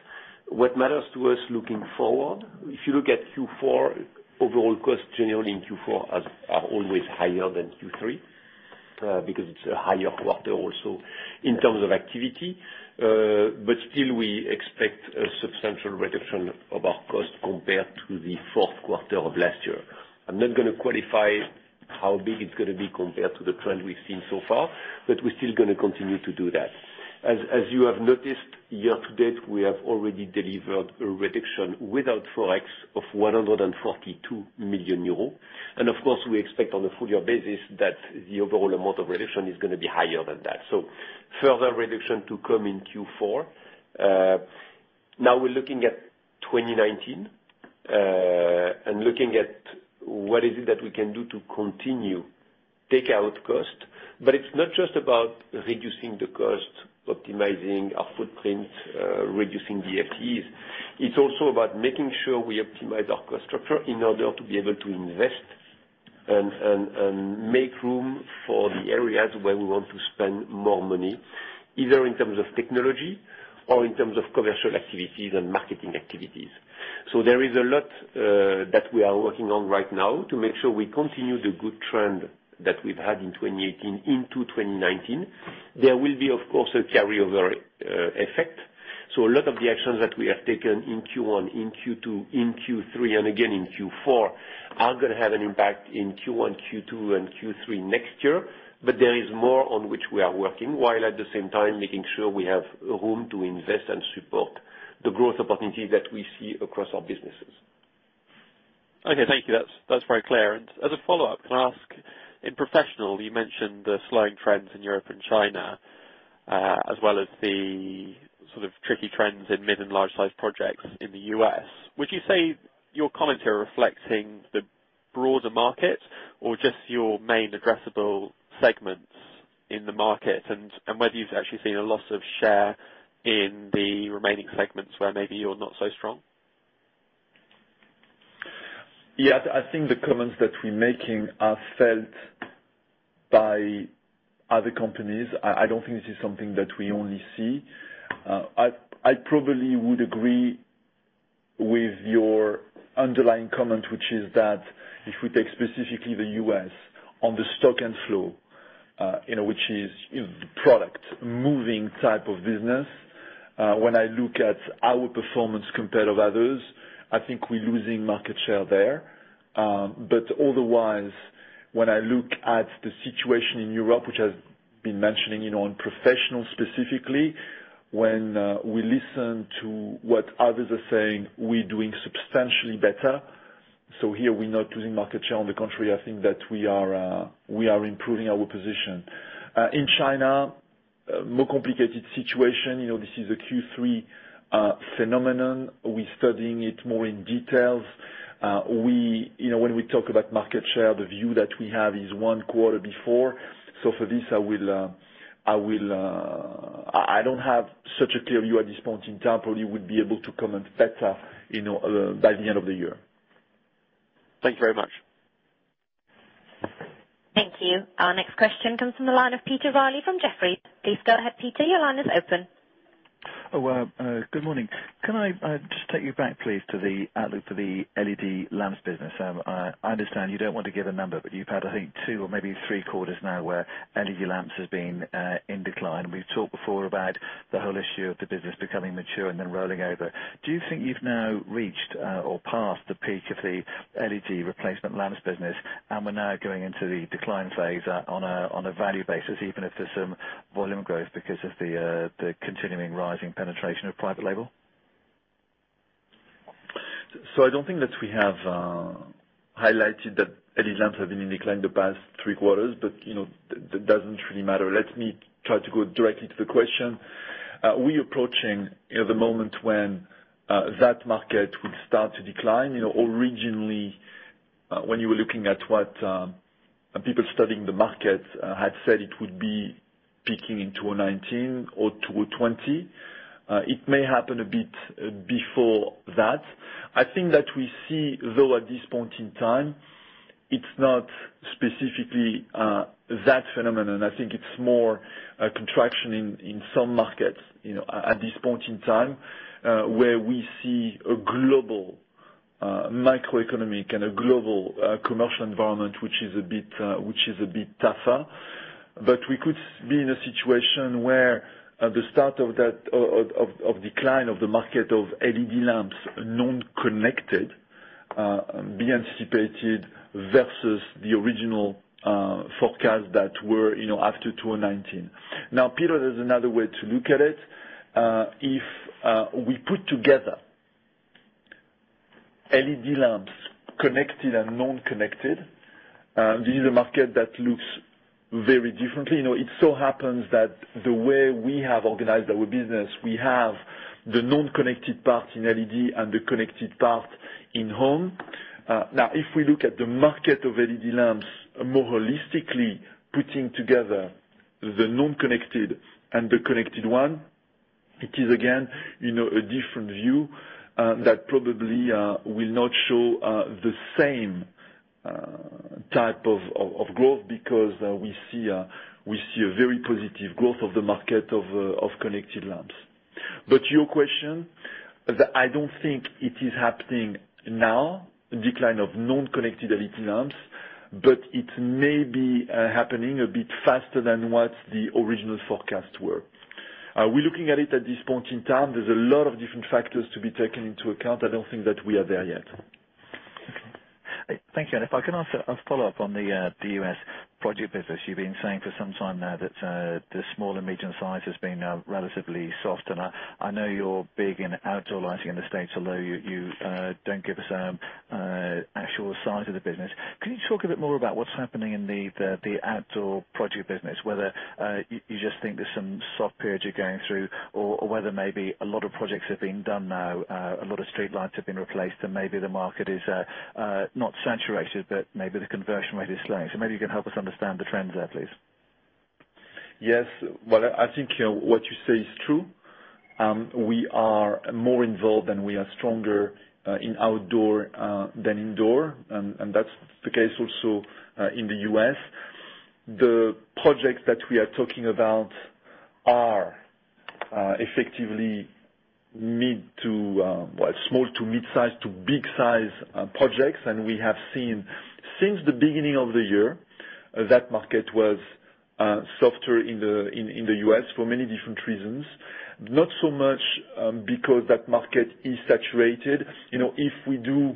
Speaker 4: What matters to us looking forward, if you look at Q4, overall costs generally in Q4 are always higher than Q3 because it's a higher quarter also in terms of activity. Still we expect a substantial reduction of our cost compared to the fourth quarter of last year. I am not going to qualify how big it is going to be compared to the trend we have seen so far, but we are still going to continue to do that. As you have noticed, year to date, we have already delivered a reduction without Forex of 142 million euros. Of course, we expect on a full year basis that the overall amount of reduction is going to be higher than that. Further reduction to come in Q4. We are looking at 2019, and looking at what is it that we can do to continue take out cost. It is not just about reducing the cost, optimizing our footprint, reducing the FTEs. It is also about making sure we optimize our cost structure in order to be able to invest and make room for the areas where we want to spend more money, either in terms of technology or in terms of commercial activities and marketing activities. There is a lot that we are working on right now to make sure we continue the good trend that we have had in 2018 into 2019. There will be, of course, a carryover effect. A lot of the actions that we have taken in Q1, in Q2, in Q3, and again in Q4, are going to have an impact in Q1, Q2, and Q3 next year. There is more on which we are working, while at the same time making sure we have room to invest and support the growth opportunity that we see across our businesses.
Speaker 9: Okay. Thank you. That is very clear. As a follow-up, can I ask, in Professional, you mentioned the slowing trends in Europe and China, as well as the sort of tricky trends in mid and large-size projects in the U.S. Would you say your comments are reflecting the broader market or just your main addressable segments in the market? Whether you have actually seen a loss of share in the remaining segments where maybe you are not so strong?
Speaker 3: I think the comments that we're making are felt by other companies. I don't think this is something that we only see. I probably would agree with your underlying comment, which is that if we take specifically the U.S. on the stock and flow, which is the product moving type of business. When I look at our performance compared with others, I think we're losing market share there. Otherwise, when I look at the situation in Europe, which I've been mentioning on Professional specifically, when we listen to what others are saying, we're doing substantially better Here we're not losing market share. On the contrary, I think that we are improving our position. In China, more complicated situation. This is a Q3 phenomenon. We're studying it more in details. When we talk about market share, the view that we have is one quarter before. For this, I don't have such a clear view at this point in time. Probably would be able to comment better by the end of the year.
Speaker 9: Thank you very much.
Speaker 1: Thank you. Our next question comes from the line of Peter Reilly from Jefferies. Please go ahead, Peter. Your line is open.
Speaker 10: Oh, good morning. Can I just take you back, please, to the outlook for the LED lamps business? I understand you don't want to give a number, but you've had, I think, two or maybe three quarters now where LED lamps has been in decline. We've talked before about the whole issue of the business becoming mature and then rolling over. Do you think you've now reached or passed the peak of the LED replacement lamps business, and we're now going into the decline phase on a value basis, even if there's some volume growth because of the continuing rising penetration of private label?
Speaker 3: I don't think that we have highlighted that LED lamps have been in decline the past three quarters, but that doesn't really matter. Let me try to go directly to the question. We are approaching the moment when that market will start to decline. Originally, when you were looking at what people studying the market had said it would be peaking in 2019 or 2020. It may happen a bit before that. I think that we see, though, at this point in time, it's not specifically that phenomenon. I think it's more a contraction in some markets, at this point in time, where we see a global macroeconomic and a global commercial environment, which is a bit tougher. We could be in a situation where the start of decline of the market of LED lamps, non-connected, be anticipated versus the original forecast that were after 2019. Peter, there's another way to look at it. If we put together LED lamps, connected and non-connected, this is a market that looks very differently. It so happens that the way we have organized our business, we have the non-connected part in LED and the connected part in home. If we look at the market of LED lamps more holistically, putting together the non-connected and the connected one, it is again a different view that probably will not show the same type of growth because we see a very positive growth of the market of connected lamps. Your question, I don't think it is happening now, decline of non-connected LED lamps, but it may be happening a bit faster than what the original forecasts were. We're looking at it at this point in time. There's a lot of different factors to be taken into account. I don't think that we are there yet.
Speaker 10: Thank you. If I can ask a follow-up on the U.S. project business. You've been saying for some time now that the small and medium-size has been relatively soft, and I know you're big in outdoor lighting in the U.S., although you don't give us actual size of the business. Can you talk a bit more about what's happening in the outdoor project business, whether you just think there's some soft periods you're going through or whether maybe a lot of projects are being done now, a lot of streetlights have been replaced, and maybe the market is, not saturated, but maybe the conversion rate is slowing. Maybe you can help us understand the trends there, please.
Speaker 3: Well, I think what you say is true. We are more involved, and we are stronger in outdoor than indoor, and that's the case also in the U.S. The projects that we are talking about are effectively small to mid-size to big-size projects. We have seen since the beginning of the year, that market was softer in the U.S. for many different reasons, not so much because that market is saturated. If we do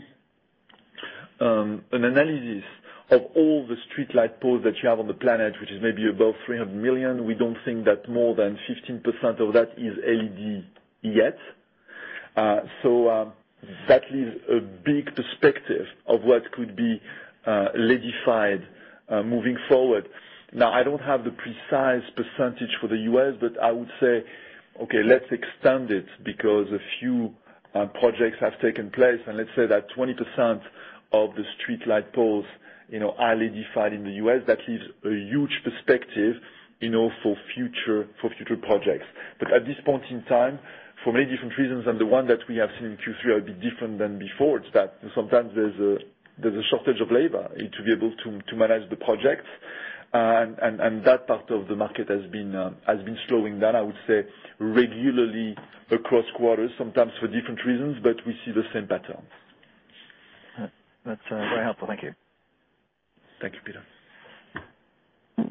Speaker 3: an analysis of all the streetlight poles that you have on the planet, which is maybe above 300 million, we don't think that more than 15% of that is LED yet. That leaves a big perspective of what could be LED-ified moving forward. I don't have the precise percentage for the U.S., but I would say, okay, let's extend it because a few projects have taken place, and let's say that 20% of the streetlight poles are LED-ified in the U.S. That leaves a huge perspective for future projects. At this point in time, for many different reasons, the one that we have seen in Q3 are a bit different than before. It's that sometimes there's a shortage of labor to be able to manage the projects, and that part of the market has been slowing down, I would say regularly across quarters, sometimes for different reasons, but we see the same pattern.
Speaker 10: That's very helpful. Thank you.
Speaker 3: Thank you, Peter.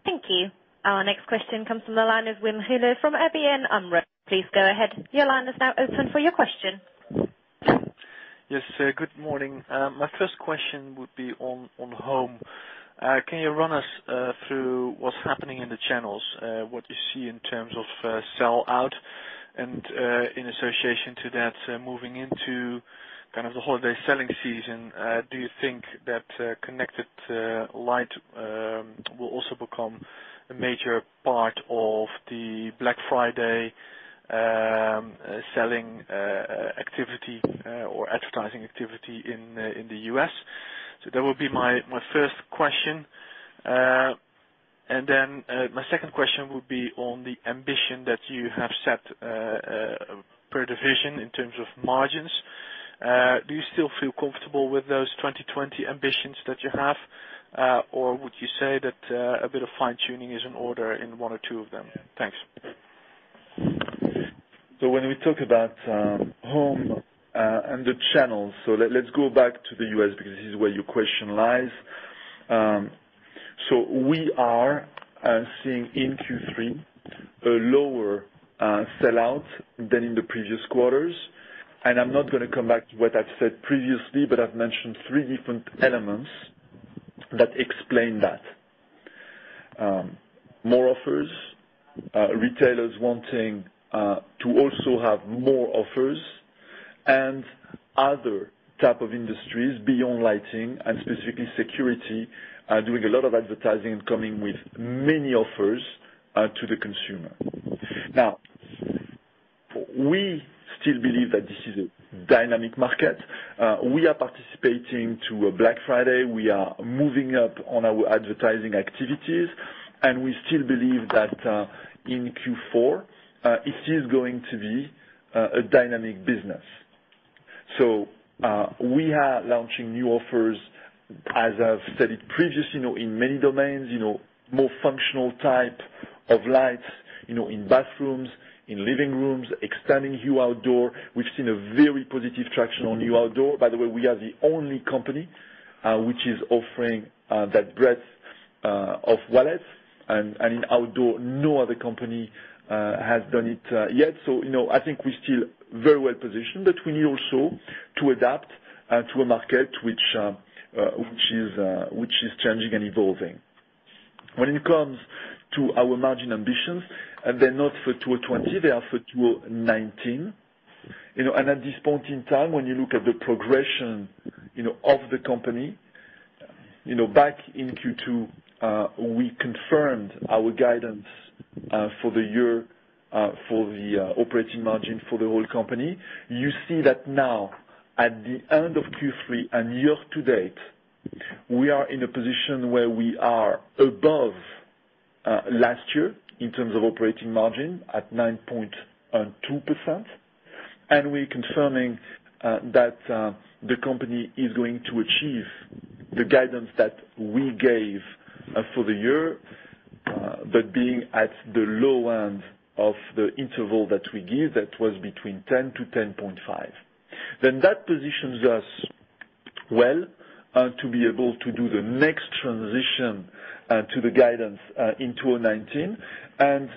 Speaker 1: Thank you. Our next question comes from the line of Wim Gille from ABN AMRO. Please go ahead. Your line is now open for your question.
Speaker 11: Yes. Good morning. My first question would be on home. Can you run us through what's happening in the channels, what you see in terms of sell out and, in association to that, moving into the holiday selling season, do you think that connected light will also become a major part of the Black Friday selling activity or advertising activity in the U.S.? That would be my first question. My second question would be on the ambition that you have set per division in terms of margins. Do you still feel comfortable with those 2020 ambitions that you have? Or would you say that a bit of fine-tuning is in order in one or two of them? Thanks.
Speaker 3: When we talk about home and the channels, let's go back to the U.S. because this is where your question lies. We are seeing in Q3 a lower sellout than in the previous quarters, and I'm not going to come back to what I've said previously, but I've mentioned three different elements that explain that. More offers, retailers wanting to also have more offers, and other type of industries beyond lighting and specifically security, are doing a lot of advertising and coming with many offers to the consumer. We still believe that this is a dynamic market. We are participating to a Black Friday. We are moving up on our advertising activities, and we still believe that in Q4, it is going to be a dynamic business. We are launching new offers, as I've stated previously, in many domains, more functional type of lights, in bathrooms, in living rooms, extending Philips Hue Outdoor We've seen a very positive traction on Philips Hue Outdoor. By the way, we are the only company which is offering that breadth of wallets. In outdoor, no other company has done it yet. I think we're still very well positioned, but we need also to adapt to a market which is changing and evolving. When it comes to our margin ambitions, they are not for 2020, they are for 2019. At this point in time, when you look at the progression of the company, back in Q2, we confirmed our guidance for the year for the operating margin for the whole company. You see that now at the end of Q3 and year-to-date, we are in a position where we are above last year in terms of operating margin at 9.2%, and we are confirming that the company is going to achieve the guidance that we gave for the year, but being at the low end of the interval that we give, that was between 10% to 10.5%. That positions us well to be able to do the next transition to the guidance in 2019 and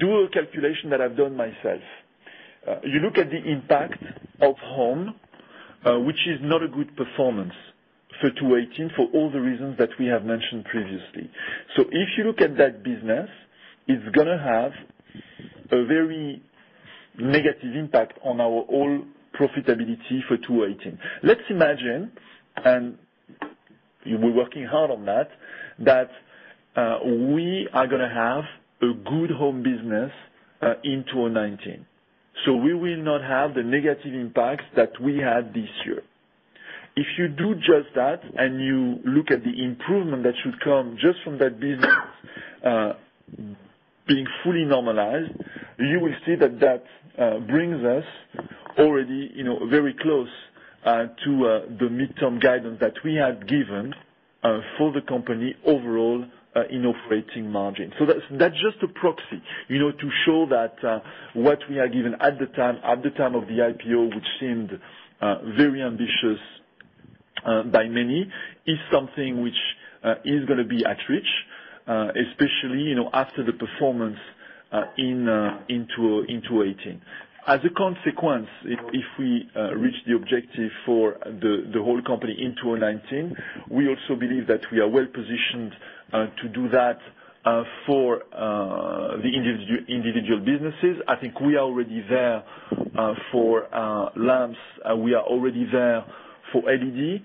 Speaker 3: do a calculation that I've done myself. You look at the impact of home, which is not a good performance for 2018, for all the reasons that we have mentioned previously. If you look at that business, it is going to have a very negative impact on our whole profitability for 2018. Let's imagine, we are working hard on that we are going to have a good home business in 2019. We will not have the negative impacts that we had this year. If you do just that and you look at the improvement that should come just from that business being fully normalized, you will see that that brings us already very close to the midterm guidance that we had given for the company overall in operating margin. That is just a proxy to show that what we had given at the time of the IPO, which seemed very ambitious by many, is something which is going to be at reach, especially after the performance in 2018. As a consequence, if we reach the objective for the whole company in 2019, we also believe that we are well-positioned to do that for the individual businesses. I think we are already there for lamps. We are already there for LED.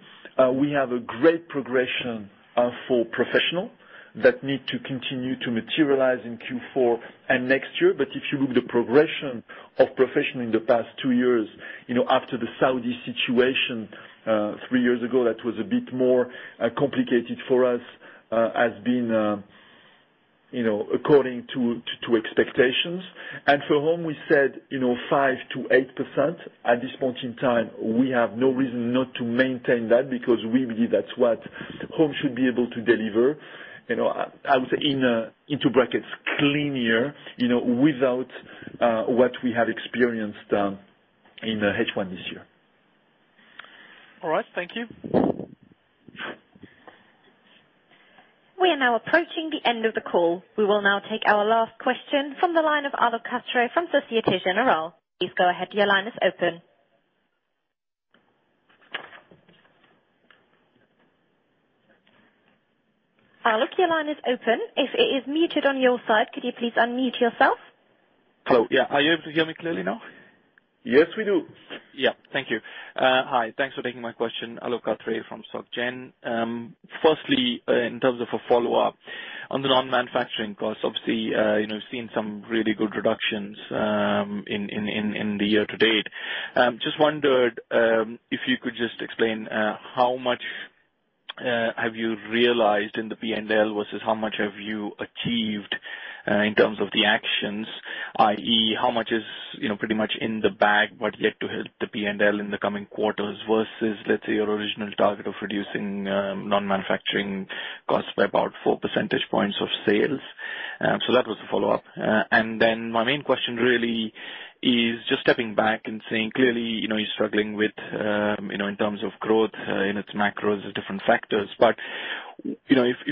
Speaker 3: We have a great progression for professional that needs to continue to materialize in Q4 and next year. If you look at the progression of professional in the past two years, after the Saudi situation three years ago, that was a bit more complicated for us as being according to expectations. For home, we said 5% to 8%. At this point in time, we have no reason not to maintain that because we believe that is what home should be able to deliver. I would say into brackets, clean year, without what we have experienced in H1 this year.
Speaker 11: All right. Thank you.
Speaker 1: We are now approaching the end of the call. We will now take our last question from the line of Alok Katre from Societe Generale. Please go ahead. Your line is open. Alok, your line is open. If it is muted on your side, could you please unmute yourself?
Speaker 12: Hello. Yeah. Are you able to hear me clearly now?
Speaker 4: Yes, we do.
Speaker 12: Thank you. Hi, thanks for taking my question, Alok Katre from SocGen. Firstly, in terms of a follow-up on the non-manufacturing costs, obviously, seeing some really good reductions in the year to date. Just wondered if you could just explain how much have you realized in the P&L versus how much have you achieved in terms of the actions, i.e., how much is pretty much in the bag but yet to hit the P&L in the coming quarters versus, let's say, your original target of reducing non-manufacturing costs by about four percentage points of sales. That was the follow-up. My main question really is just stepping back and saying, clearly, you're struggling in terms of growth in its macros different factors. If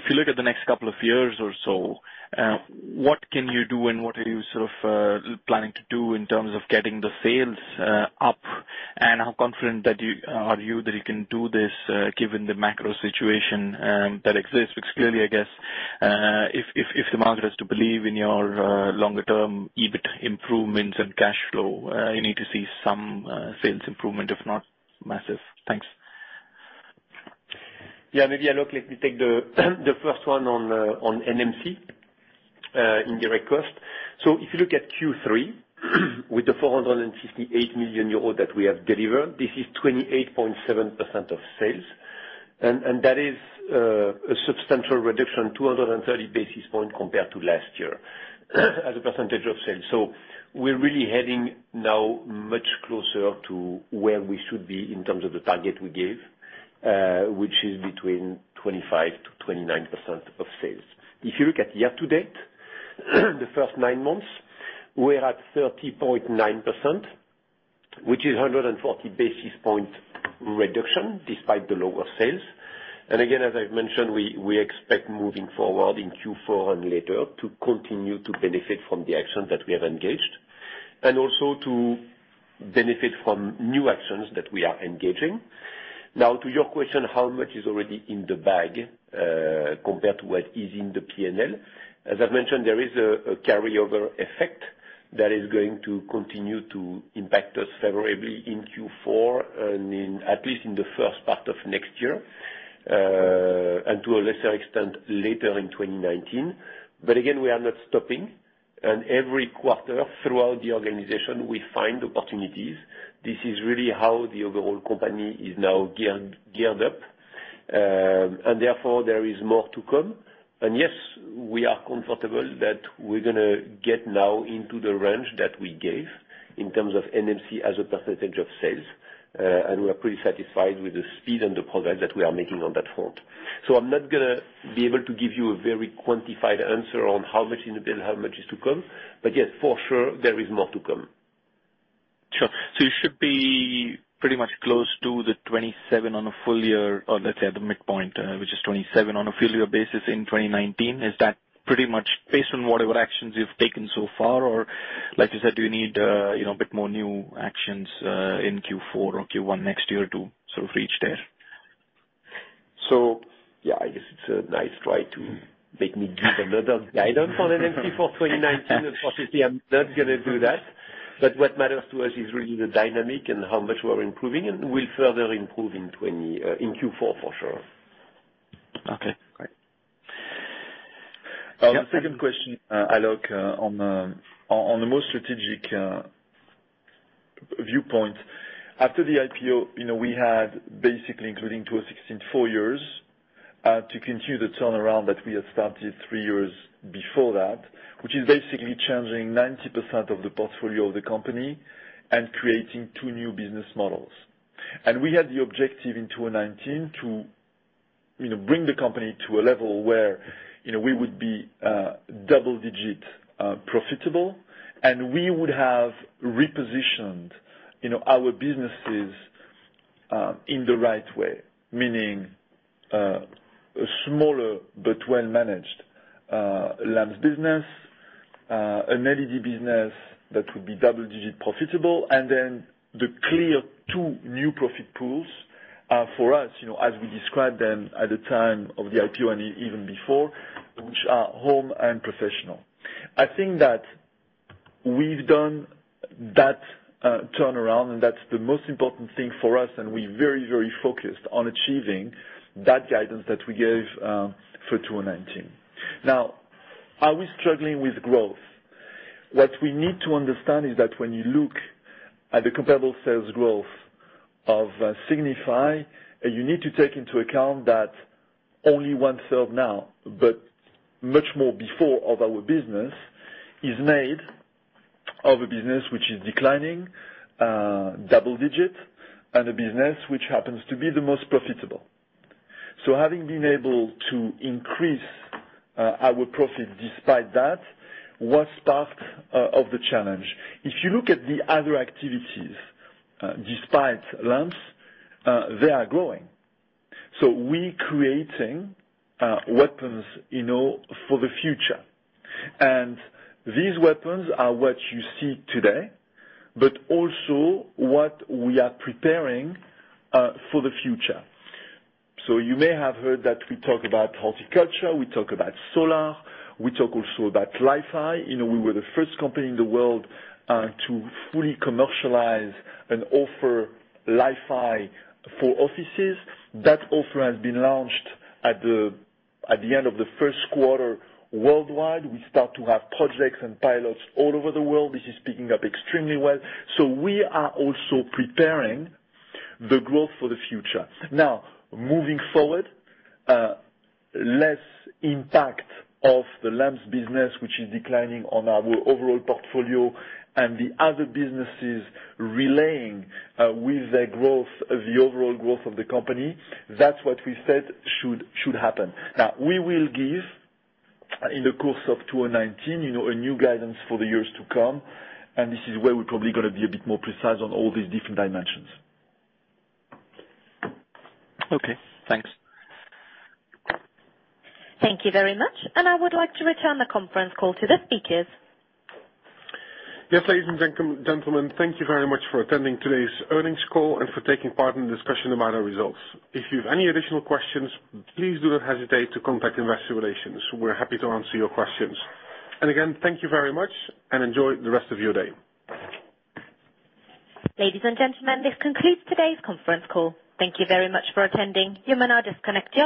Speaker 12: you look at the next couple of years or so, what can you do and what are you planning to do in terms of getting the sales up, and how confident are you that you can do this given the macro situation that exists? Clearly, I guess, if the market is to believe in your longer-term EBIT improvements and cash flow, you need to see some sales improvement, if not massive. Thanks.
Speaker 4: Yeah, maybe, Alok, let me take the first one on NMC, indirect cost. If you look at Q3 with the 468 million euros that we have delivered, this is 28.7% of sales, and that is a substantial reduction, 230 basis point compared to last year as a percentage of sales. We're really heading now much closer to where we should be in terms of the target we gave, which is between 25%-29% of sales. If you look at year to date, the first nine months, we're at 30.9%, which is 140 basis point reduction despite the lower sales. Again, as I've mentioned, we expect moving forward in Q4 and later to continue to benefit from the action that we have engaged, also to benefit from new actions that we are engaging. Now, to your question, how much is already in the bag compared to what is in the P&L? As I've mentioned, there is a carryover effect that is going to continue to impact us favorably in Q4 and at least in the first part of next year, and to a lesser extent, later in 2019. Again, we are not stopping, every quarter throughout the organization, we find opportunities. This is really how the overall company is now geared up. Therefore, there is more to come. Yes, we are comfortable that we're going to get now into the range that we gave in terms of NMC as a percentage of sales, and we are pretty satisfied with the speed and the progress that we are making on that front. I'm not going to be able to give you a very quantified answer on how much in the bill, how much is to come. Yes, for sure, there is more to come.
Speaker 12: Sure. You should be pretty much close to the 27 on a full year, or let's say at the midpoint, which is 27 on a full year basis in 2019. Is that pretty much based on whatever actions you've taken so far? Or like you said, do you need a bit more new actions in Q4 or Q1 next year to reach there?
Speaker 4: Yeah, I guess it's a nice try to make me give another guidance on NMC for 2019. Unfortunately, I'm not going to do that. What matters to us is really the dynamic and how much we're improving, and we'll further improve in Q4, for sure.
Speaker 12: Okay, great.
Speaker 3: The second question, Alok, on the most strategic viewpoint. After the IPO, we had basically, including 2016, four years to continue the turnaround that we had started three years before that, which is basically changing 90% of the portfolio of the company and creating two new business models. We had the objective in 2019 to bring the company to a level where we would be double-digit profitable and we would have repositioned our businesses in the right way, meaning a smaller but well-managed lamps business, an LED business that would be double-digit profitable, and then the clear two new profit pools for us, as we described them at the time of the IPO and even before, which are home and professional. I think that we’ve done that turnaround, and that’s the most important thing for us, and we’re very focused on achieving that guidance that we gave for 2019.
Speaker 4: Are we struggling with growth? What we need to understand is that when you look at the comparable sales growth of Signify, you need to take into account that only one third now, but much more before of our business is made of a business which is declining double-digit and a business which happens to be the most profitable. Having been able to increase our profit despite that was part of the challenge. If you look at the other activities, despite lamps, they are growing. We’re creating weapons for the future. These weapons are what you see today, but also what we are preparing for the future. You may have heard that we talk about horticulture, we talk about solar, we talk also about Li-Fi. We were the first company in the world to fully commercialize and offer Li-Fi for offices. That offer has been launched at the end of the first quarter worldwide. We start to have projects and pilots all over the world. This is picking up extremely well. We are also preparing the growth for the future. Moving forward, less impact of the lamps business, which is declining on our overall portfolio and the other businesses relaying with the growth, the overall growth of the company. That’s what we said should happen. We will give, in the course of 2019, a new guidance for the years to come, and this is where we’re probably going to be a bit more precise on all these different dimensions.
Speaker 12: Okay, thanks.
Speaker 1: Thank you very much. I would like to return the conference call to the speakers.
Speaker 2: Yes, ladies and gentlemen, thank you very much for attending today's earnings call and for taking part in the discussion about our results. If you have any additional questions, please do not hesitate to contact Investor Relations. We're happy to answer your questions. Again, thank you very much and enjoy the rest of your day.
Speaker 1: Ladies and gentlemen, this concludes today's conference call. Thank you very much for attending. You may now disconnect your